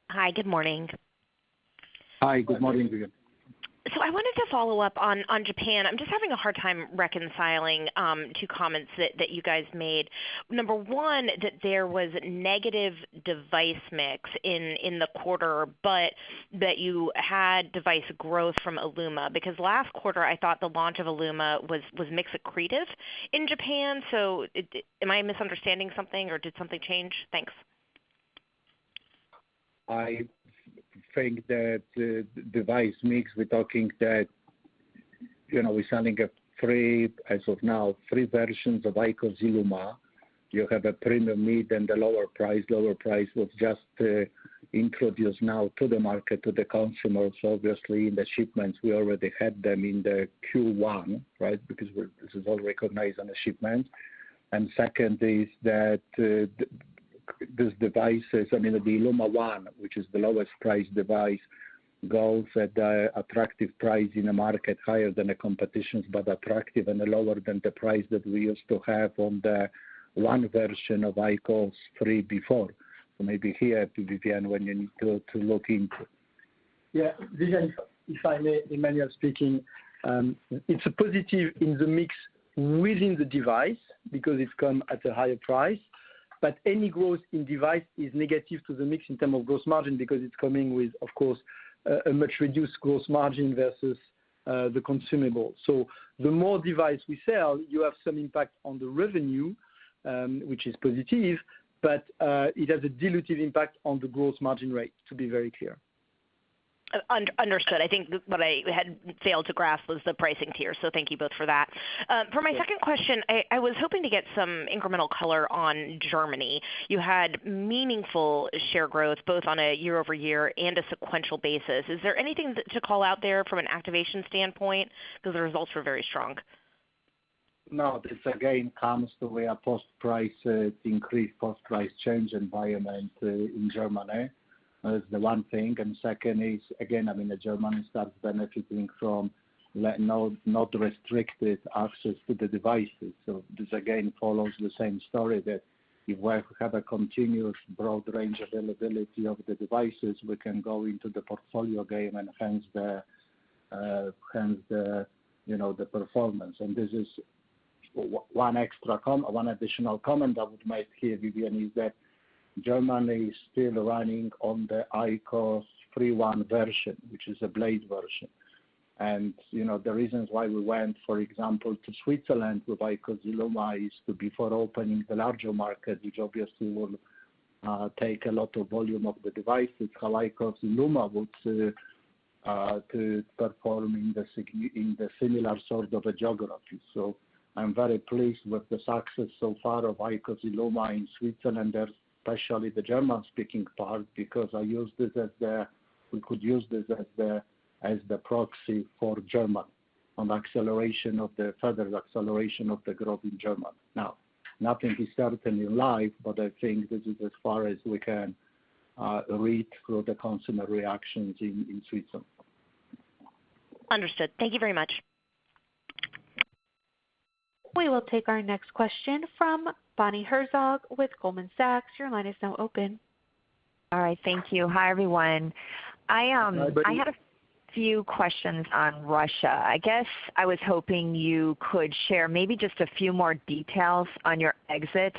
Speaker 7: Hi, good morning.
Speaker 3: Hi, good morning, Vivien.
Speaker 7: I wanted to follow up on Japan. I'm just having a hard time reconciling two comments that you guys made. Number one, that there was negative device mix in the quarter, but that you had device growth from ILUMA, because last quarter I thought the launch of ILUMA was mix accretive in Japan. Am I misunderstanding something, or did something change? Thanks.
Speaker 3: I think that device mix. We're talking that, you know, we're selling three versions of IQOS ILUMA as of now. You have a premium, mid, and a lower price. The lower price was just introduced now to the market, to the consumers. Obviously, in the shipments, we already had them in Q1, right? Because this is all recognized on the shipments. Second is that these devices, I mean, the ILUMA ONE, which is the lowest priced device, goes at an attractive price in the market higher than the competition's, but attractive and lower than the price that we used to have on the IQOS 3 version before. Maybe here to Vivien when you need to look into.
Speaker 4: Yeah. Vivien, if I may, Emmanuel speaking. It's a positive in the mix within the device because it's come at a higher price. But any growth in device is negative to the mix in terms of gross margin because it's coming with, of course, a much reduced gross margin versus the consumable. So the more device we sell, you have some impact on the revenue, which is positive, but it has a dilutive impact on the gross margin rate, to be very clear.
Speaker 7: Understood. I think what I had failed to grasp was the pricing tier. Thank you both for that. For my second question, I was hoping to get some incremental color on Germany. You had meaningful share growth, both on a year-over-year and a sequential basis. Is there anything to call out there from an activation standpoint? Because the results were very strong.
Speaker 3: No, this again comes the way of a post-price increase, post-price change environment in Germany. That's the one thing. Second is, again, Germany starts benefiting from non-restricted access to the devices. This again follows the same story that if we have a continuous broad range availability of the devices, we can go into the portfolio game and hence the performance. This is one additional comment I would make here, Vivien, is that Germany is still running on the IQOS 3 version, which is a blade version. You know, the reasons why we went, for example, to Switzerland with IQOS ILUMA is to before opening the larger market, which obviously will take a lot of volume of the devices, how IQOS ILUMA would to perform in the similar sort of a geography. I'm very pleased with the success so far of IQOS ILUMA in Switzerland, and especially the German-speaking part, because we could use this as the proxy for Germany. On the acceleration of the further acceleration of the growth in Germany. Nothing is certain in life, but I think this is as far as we can read through the consumer reactions in Switzerland.
Speaker 7: Understood. Thank you very much.
Speaker 1: We will take our next question from Bonnie Herzog with Goldman Sachs. Your line is now open.
Speaker 8: All right, thank you. Hi, everyone.
Speaker 3: Hi, Bonnie.
Speaker 8: I had a few questions on Russia. I guess I was hoping you could share maybe just a few more details on your exit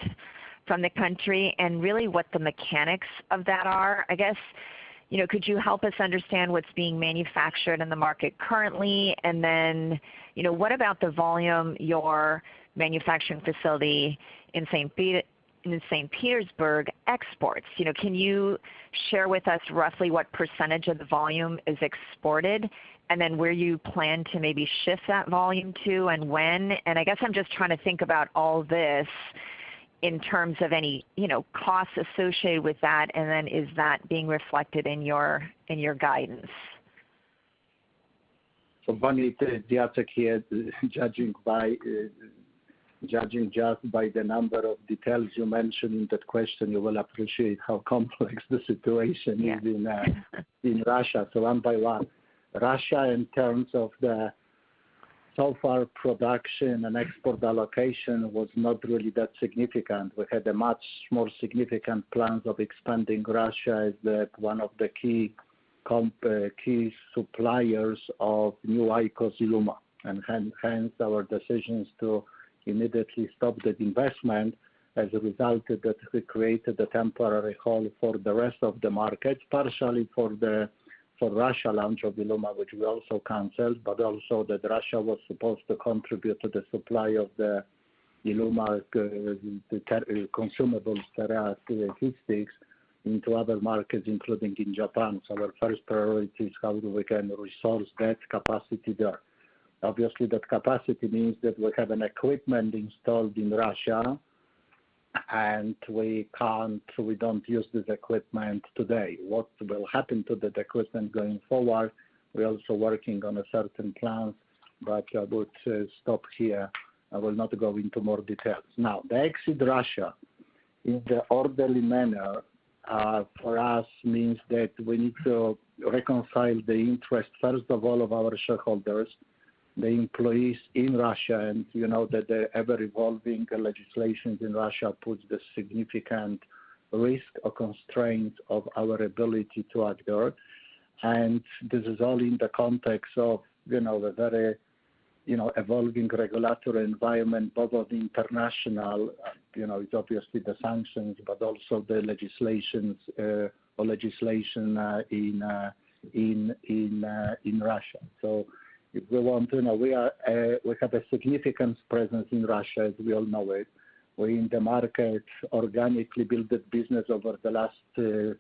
Speaker 8: from the country and really what the mechanics of that are. I guess, you know, could you help us understand what's being manufactured in the market currently? You know, what about the volume your manufacturing facility in St. Petersburg exports? You know, can you share with us roughly what percentage of the volume is exported? Where you plan to maybe shift that volume to and when? I guess I'm just trying to think about all this in terms of any, you know, costs associated with that. Is that being reflected in your guidance?
Speaker 3: Bonnie, Jacek here. Judging just by the number of details you mentioned in that question, you will appreciate how complex the situation is in Russia. One by one. Russia, in terms of the so far production and export allocation was not really that significant. We had a much more significant plans of expanding Russia as one of the key suppliers of new IQOS ILUMA, and hence our decisions to immediately stop that investment as a result that we created a temporary halt for the rest of the market, partially for Russia launch of ILUMA, which we also canceled, but also that Russia was supposed to contribute to the supply of the ILUMA consumables that are HEETS sticks into other markets, including in Japan. Our first priority is how we can resource that capacity there. Obviously, that capacity means that we have an equipment installed in Russia, and we don't use this equipment today. What will happen to that equipment going forward? We're also working on a certain plan, but I would stop here. I will not go into more details. Now, exiting Russia in the orderly manner for us means that we need to reconcile the interest, first of all of our shareholders, the employees in Russia, and you know that the ever-evolving legislations in Russia puts the significant risk or constraint of our ability to adhere. This is all in the context of, you know, the very, you know, evolving regulatory environment, both of the international, you know, it's obviously the sanctions, but also the legislations or legislation in Russia. If we want to know, we have a significant presence in Russia, as we all know. We're in the market, organically built the business over the last 30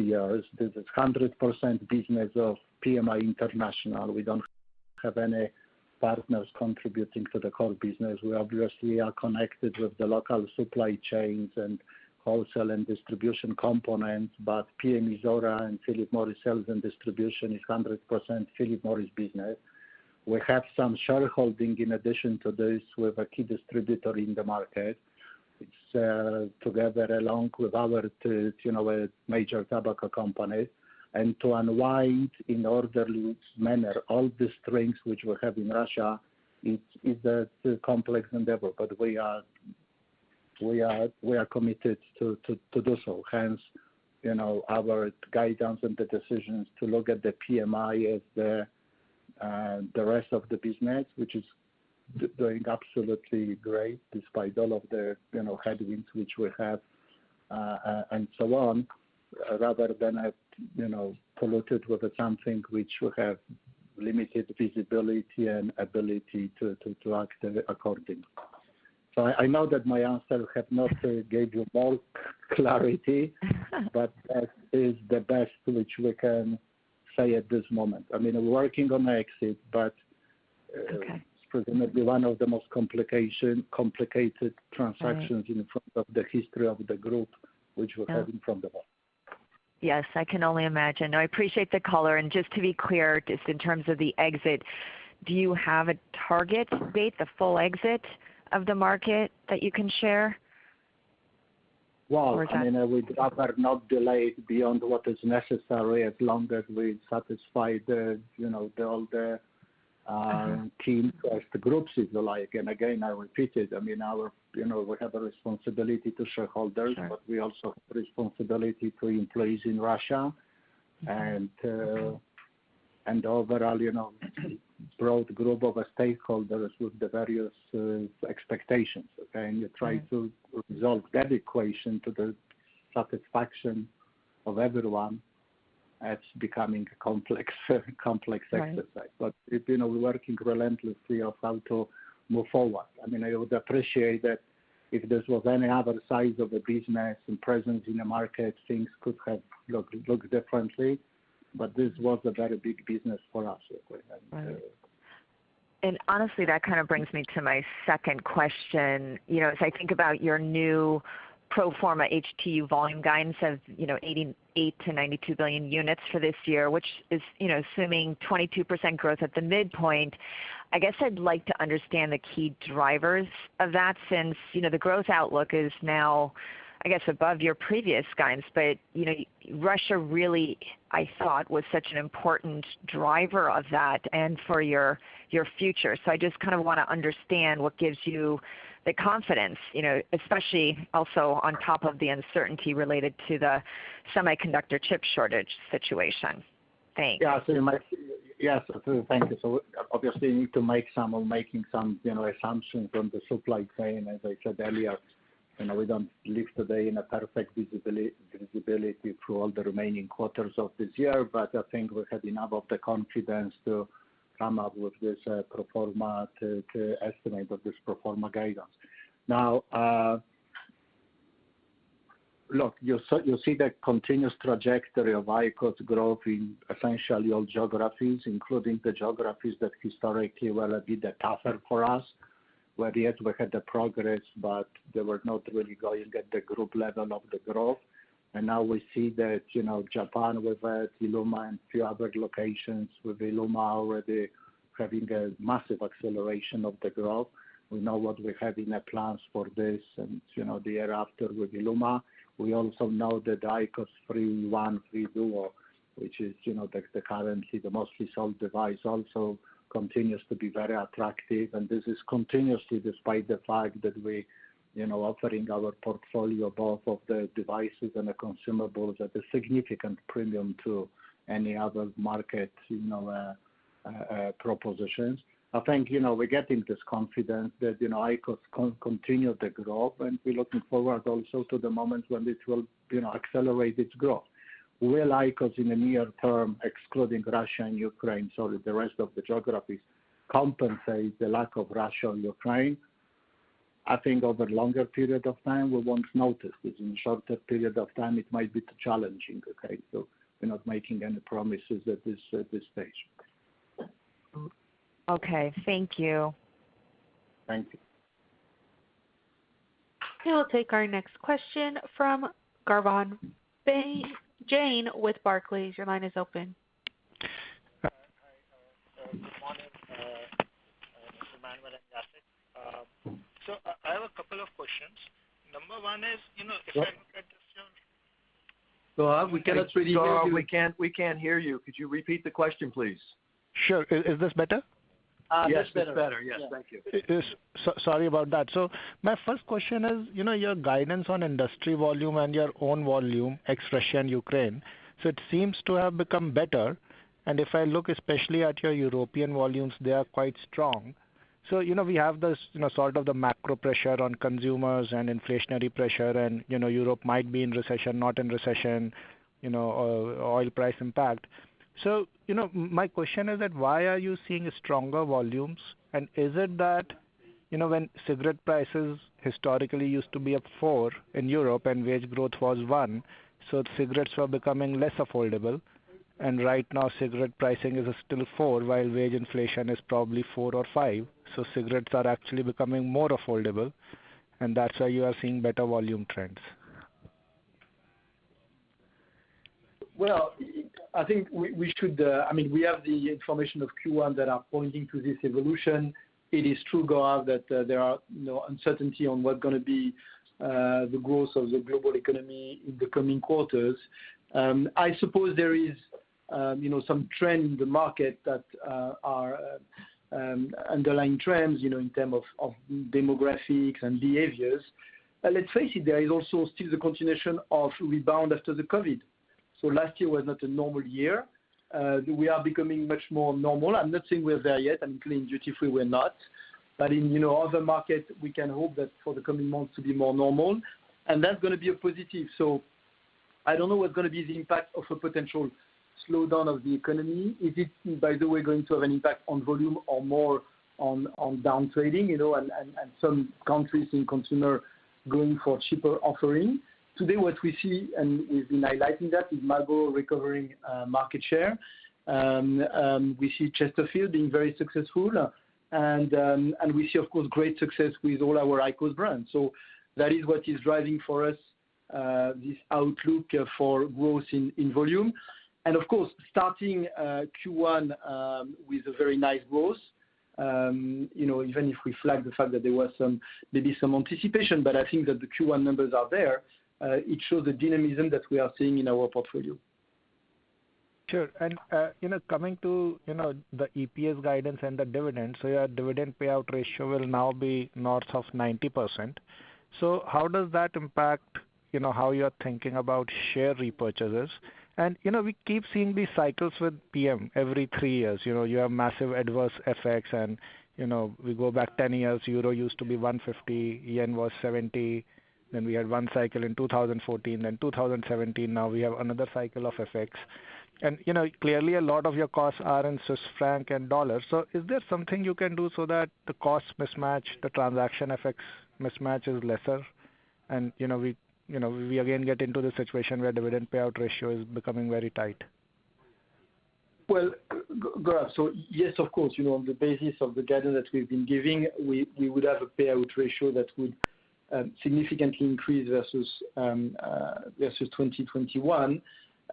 Speaker 3: years. This is 100% business of PM International. We don't have any partners contributing to the core business. We obviously are connected with the local supply chains and wholesale and distribution components, but PM Izhora and Philip Morris sales and distribution is 100% Philip Morris business. We have some shareholding in addition to this with a key distributor in the market. It's together along with our, you know, major tobacco companies. To unwind in orderly manner all the strengths which we have in Russia, it's a complex endeavor. We are committed to do so. Hence, you know, our guidance and the decisions to look at the PMI as the rest of the business, which is doing absolutely great despite all of the, you know, headwinds which we have and so on, rather than have, you know, polluted with something which we have limited visibility and ability to act accordingly. I know that my answer have not gave you more clarity, but that is the best which we can say at this moment. I mean, we're working on the exit, but.
Speaker 8: Okay.
Speaker 3: It's presumably one of the most complicated transactions in the history of the group, which we're hearing from the hall.
Speaker 8: Yes, I can only imagine. No, I appreciate the color. Just to be clear, just in terms of the exit, do you have a target date, the full exit of the market that you can share?
Speaker 3: Well, I mean, we'd rather not delay beyond what is necessary, as long as we satisfy the, you know, all the key groups is alike. Again, I repeat it, I mean, our, you know, we have a responsibility to shareholders.
Speaker 8: Sure.
Speaker 3: We also have responsibility to employees in Russia and overall, you know, broad group of stakeholders with the various expectations, okay? You try to resolve that equation to the satisfaction of everyone. That's becoming a complex exercise.
Speaker 8: Right.
Speaker 3: You know, we're working relentlessly on how to move forward. I mean, I would appreciate that if this was any other size of a business and presence in the market, things could have looked differently, but this was a very big business for us, so-
Speaker 8: Right. Honestly, that kind of brings me to my second question. You know, as I think about your new pro forma HTU volume guidance of, you know, 88 billion-92 billion units for this year, which is, you know, assuming 22% growth at the midpoint. I guess I'd like to understand the key drivers of that since, you know, the growth outlook is now, I guess, above your previous guidance. You know, Russia really, I thought, was such an important driver of that and for your future. I just kind of wanna understand what gives you the confidence, you know, especially also on top of the uncertainty related to the semiconductor chip shortage situation. Thanks.
Speaker 3: Thank you. Obviously, you need to make some assumptions on the supply chain. As I said earlier, you know, we don't live today in a perfect visibility through all the remaining quarters of this year. But I think we have enough of the confidence to come up with this pro forma estimate of this pro forma guidance. Now, look, you'll see the continuous trajectory of IQOS growth in essentially all geographies, including the geographies that historically were a bit tougher for us, where we had the progress, but they were not really going at the group level of the growth. Now we see that, you know, Japan with ILUMA and a few other locations with ILUMA already having a massive acceleration of the growth. We know what we have in our plans for this and the year after with ILUMA. We also know that IQOS 3 DUO, which is currently the most sold device, also continues to be very attractive. This continues despite the fact that we're offering our portfolio, both of the devices and the consumables at a significant premium to any other market propositions. I think we're getting this confidence that IQOS continue the growth, and we're looking forward also to the moment when it will accelerate its growth. Will IQOS in the near term, excluding Russia and Ukraine, so the rest of the geographies, compensate the lack of Russia and Ukraine? I think over longer period of time, we won't notice, because in shorter period of time, it might be too challenging, okay? We're not making any promises at this stage.
Speaker 8: Okay. Thank you.
Speaker 3: Thank you.
Speaker 1: Okay, we'll take our next question from Gaurav Jain with Barclays. Your line is open.
Speaker 9: Hi. Good morning, Mr. Emmanuel and Jacek. I have a couple of questions. Number one is, you know, if I look at your-
Speaker 2: Gaurav, we cannot really hear you. Gaurav, we can't hear you. Could you repeat the question, please?
Speaker 9: Sure. Is this better?
Speaker 3: Yes, it's better.
Speaker 2: Yes, it's better. Yes. Thank you.
Speaker 9: Sorry about that. My first question is, you know, your guidance on industry volume and your own volume, ex Russia and Ukraine, it seems to have become better. If I look especially at your European volumes, they are quite strong. You know, we have this, you know, sort of the macro pressure on consumers and inflationary pressure and, you know, Europe might be in recession, not in recession, you know, oil price impact. You know, my question is that why are you seeing stronger volumes? Is it that, you know, when cigarette prices historically used to be at 4% in Europe and wage growth was 1%, cigarettes were becoming less affordable. Right now, cigarette pricing is still 4%, while wage inflation is probably 4% or 5%, so cigarettes are actually becoming more affordable, and that's why you are seeing better volume trends.
Speaker 4: Well, I think we should. I mean, we have the information of Q1 that are pointing to this evolution. It is true, Gaurav, that there are, you know, uncertainty on what gonna be the growth of the global economy in the coming quarters. I suppose there is, you know, some trend in the market that are underlying trends, you know, in term of demographics and behaviors. Let's face it, there is also still the continuation of rebound after the COVID. Last year was not a normal year. We are becoming much more normal. I'm not saying we're there yet. I mean, in duty-free, we're not. But in, you know, other markets, we can hope that for the coming months to be more normal. That's gonna be a positive. I don't know what's gonna be the impact of a potential slowdown of the economy. Is it, by the way, going to have an impact on volume or more on down trading, you know, and some countries and consumer going for cheaper offering? Today, what we see and it's enlightening is that Marlboro is recovering market share. We see Chesterfield being very successful. We see, of course, great success with all our IQOS brands. That is what is driving for us this outlook for growth in volume. Of course, starting Q1 with a very nice growth, you know, even if we flag the fact that there was some, maybe some anticipation, but I think that the Q1 numbers are there. It shows the dynamism that we are seeing in our portfolio.
Speaker 9: Sure. You know, coming to, you know, the EPS guidance and the dividends, your dividend payout ratio will now be north of 90%. How does that impact, you know, how you're thinking about share repurchases? We keep seeing these cycles with PM every three years. You know, you have massive adverse effects and, you know, we go back 10 years, euro used to be 1.50, yen was 70. We had one cycle in 2014, then 2017. Now we have another cycle of effects. You know, clearly a lot of your costs are in Swiss franc and dollars. Is there something you can do so that the cost mismatch, the transaction effects mismatch is lesser? You know, we again get into the situation where dividend payout ratio is becoming very tight.
Speaker 4: Well, Gaurav, so yes, of course, you know, on the basis of the guidance that we've been giving, we would have a payout ratio that would significantly increased versus 2021.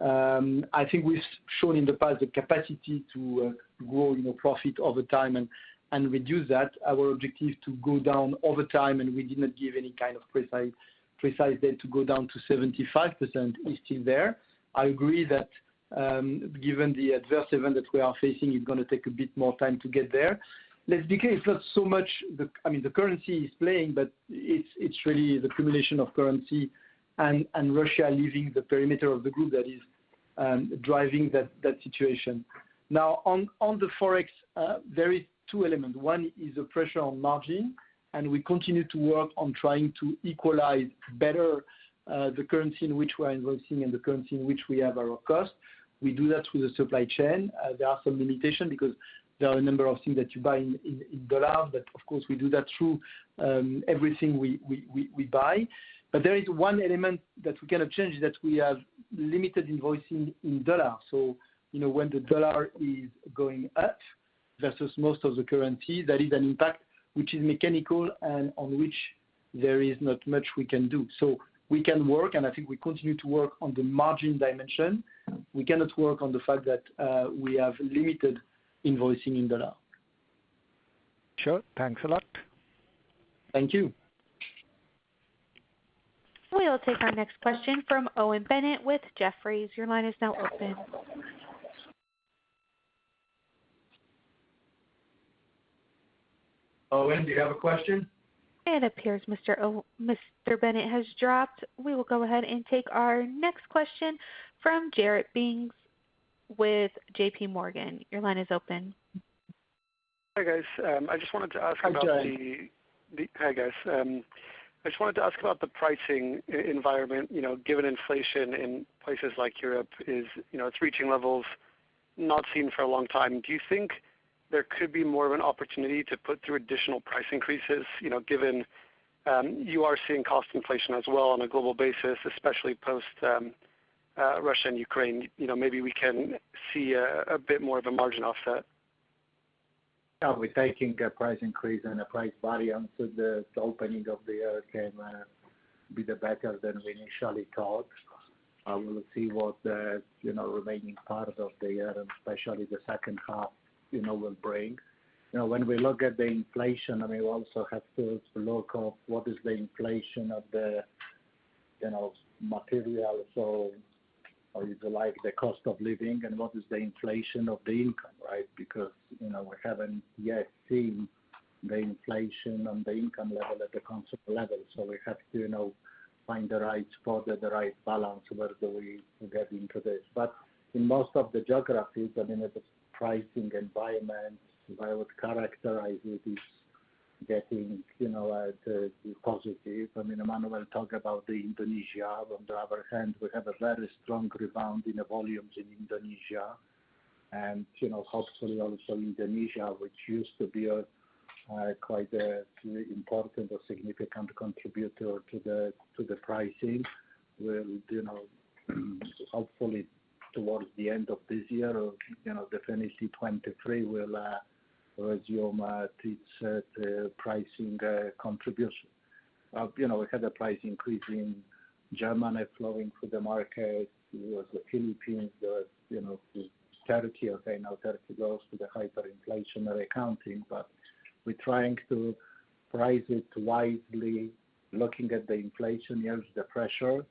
Speaker 4: I think we've shown in the past the capacity to grow, you know, profit over time and reduce that. Our objective is to go down over time, and we did not give any kind of precise date to go down to 75% is still there. I agree that, given the adverse event that we are facing, it's gonna take a bit more time to get there. Let's say it's not so much the currency is playing, but it's really the accumulation of currency and Russia leaving the perimeter of the group that is driving that situation. Now on the Forex, there are two elements. One is a pressure on margin, and we continue to work on trying to equalize better the currency in which we're invoicing and the currency in which we have our costs. We do that through the supply chain. There are some limitations because there are a number of things that you buy in dollars, but of course, we do that through everything we buy. There is one element that we cannot change, that we have limited invoicing in dollars. You know, when the dollar is going up versus most currencies, there is an impact which is mechanical and on which there is not much we can do. We can work, and I think we continue to work on the margin dimension. We cannot work on the fact that we have limited invoicing in dollars.
Speaker 9: Sure. Thanks a lot.
Speaker 3: Thank you.
Speaker 1: We'll take our next question from Owen Bennett with Jefferies. Your line is now open.
Speaker 2: Owen, do you have a question?
Speaker 1: It appears Mr. Bennett has dropped. We will go ahead and take our next question from Jared Dinges with JPMorgan. Your line is open.
Speaker 10: Hi, guys. I just wanted to ask about the
Speaker 3: Hi, Jared.
Speaker 10: Hi, guys. I just wanted to ask about the pricing environment, you know, given inflation in places like Europe is, you know, it's reaching levels not seen for a long time. Do you think there could be more of an opportunity to put through additional price increases, you know, given you are seeing cost inflation as well on a global basis, especially post Russia and Ukraine, you know, maybe we can see a bit more of a margin offset?
Speaker 3: Yeah, we're taking a price increase and a price variance with the opening of the year can be better than we initially thought. We'll see what the remaining part of the year and especially the second half you know will bring. You know, when we look at the inflation, I mean, we also have to look at what is the inflation of the material. So, like, the cost of living and what is the inflation of the income, right? Because you know, we haven't yet seen the inflation on the income level at the consumer level. So we have to you know find the right spot at the right balance whether we get into this. In most of the geographies, I mean, the pricing environment, if I would characterize it, is getting you know positive. I mean, Emmanuel, talk about Indonesia. On the other hand, we have a very strong rebound in the volumes in Indonesia. You know, hopefully also Indonesia, which used to be a quite important or significant contributor to the pricing, will, you know, hopefully towards the end of this year or, you know, definitely 2023, resume its pricing contribution. You know, we had a price increase in Germany flowing through the market. There was the Philippines. There was Turkey. Okay, now Turkey goes to the hyperinflationary accounting, but we're trying to price it wisely, looking at the inflation as the pressure.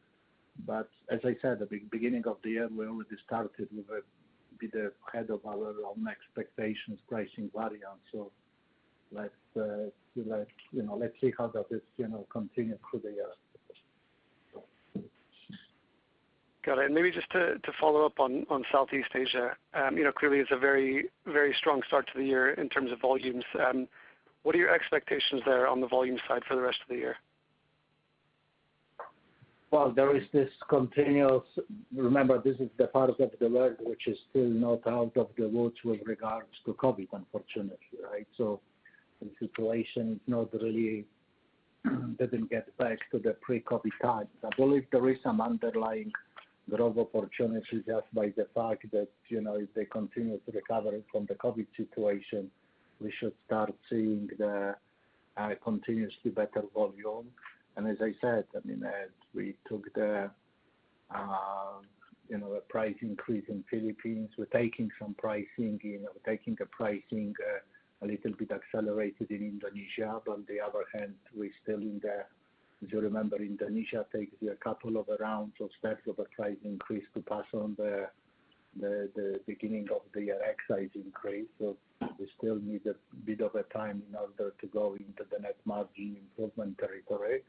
Speaker 3: As I said, at the beginning of the year, we already started with a bit ahead of our own expectations pricing variance. Let's see how that is, you know, continue through the year.
Speaker 10: Got it. Maybe just to follow up on Southeast Asia. You know, clearly it's a very, very strong start to the year in terms of volumes. What are your expectations there on the volume side for the rest of the year?
Speaker 3: Well, there is this continuous. Remember, this is the part of the world which is still not out of the woods with regards to COVID, unfortunately, right? The situation is not really, didn't get back to the pre-COVID times. I believe there is some underlying growth opportunity just by the fact that, you know, if they continue to recover from the COVID situation, we should start seeing the continuously better volume. I mean, as we took the price increase in Philippines, we're taking some pricing, you know, a little bit accelerated in Indonesia. On the other hand, we're still in the. If you remember, Indonesia takes a couple of rounds of steps of a price increase to pass on the beginning of the year excise increase. We still need a bit of a time in order to go into the net margin improvement territory.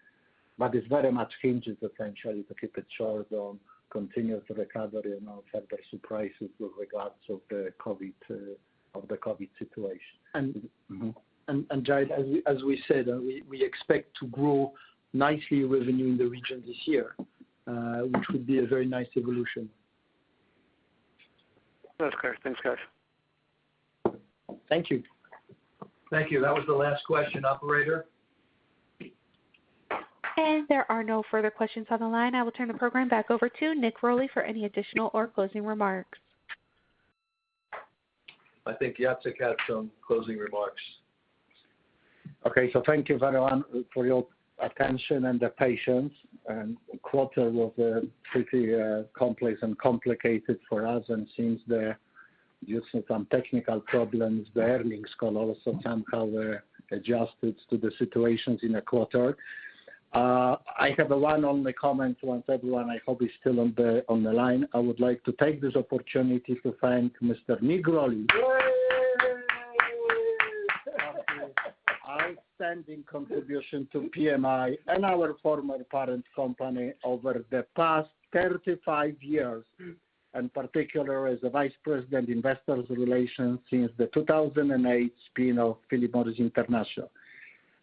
Speaker 3: It very much hinges essentially to keep it short on continuous recovery and also the surprises with regard to the COVID situation.
Speaker 4: And-
Speaker 3: Mm-hmm.
Speaker 4: Jared, as we said, we expect to grow nicely revenue in the region this year, which would be a very nice evolution.
Speaker 10: That's clear. Thanks, guys.
Speaker 4: Thank you.
Speaker 2: Thank you. That was the last question, operator.
Speaker 1: There are no further questions on the line. I will turn the program back over to Nick Rolli for any additional or closing remarks.
Speaker 2: I think Jacek has some closing remarks.
Speaker 3: Okay, thank you very much for your attention and the patience. The quarter was pretty complex and complicated for us. Since there were some technical problems, the earnings call also somehow were adjusted to the situation in a quarter. I have only one comment. Once everyone, I hope, is still on the line, I would like to take this opportunity to thank Mr. Nick Rolli for his outstanding contribution to PMI and our former parent company over the past 35 years, and particularly as the Vice President, Investor Relations since the 2008 spin of Philip Morris International.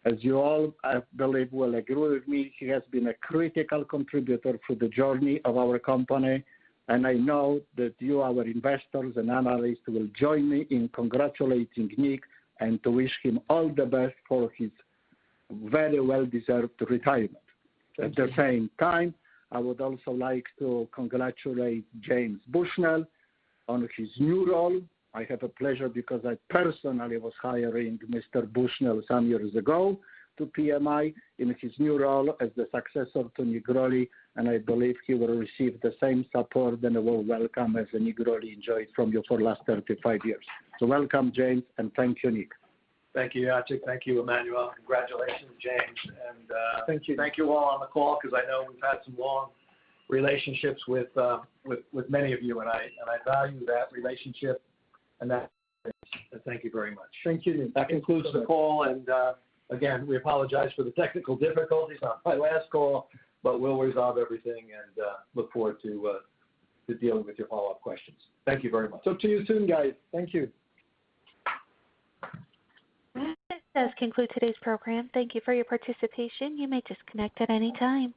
Speaker 3: As you all, I believe, will agree with me, he has been a critical contributor to the journey of our company, and I know that you, our investors and analysts, will join me in congratulating Nick and to wish him all the best for his very well-deserved retirement. At the same time, I would also like to congratulate James Bushnell on his new role. I have the pleasure because I personally was hiring Mr. Bushnell some years ago to PMI in his new role as the successor to Nick Rolli, and I believe he will receive the same support and a warm welcome as Nick Rolli enjoyed from you for the last 35 years. Welcome, James, and thank you, Nick.
Speaker 2: Thank you, Jacek. Thank you, Emmanuel. Congratulations, James.
Speaker 3: Thank you.
Speaker 2: Thank you all on the call because I know we've had some long relationships with many of you, and I value that relationship.
Speaker 4: Thank you very much.
Speaker 3: Thank you.
Speaker 2: That concludes the call, and again, we apologize for the technical difficulties on my last call, but we'll resolve everything and look forward to dealing with your follow-up questions. Thank you very much.
Speaker 4: Talk to you soon, guys. Thank you.
Speaker 1: This does conclude today's program. Thank you for your participation. You may disconnect at any time.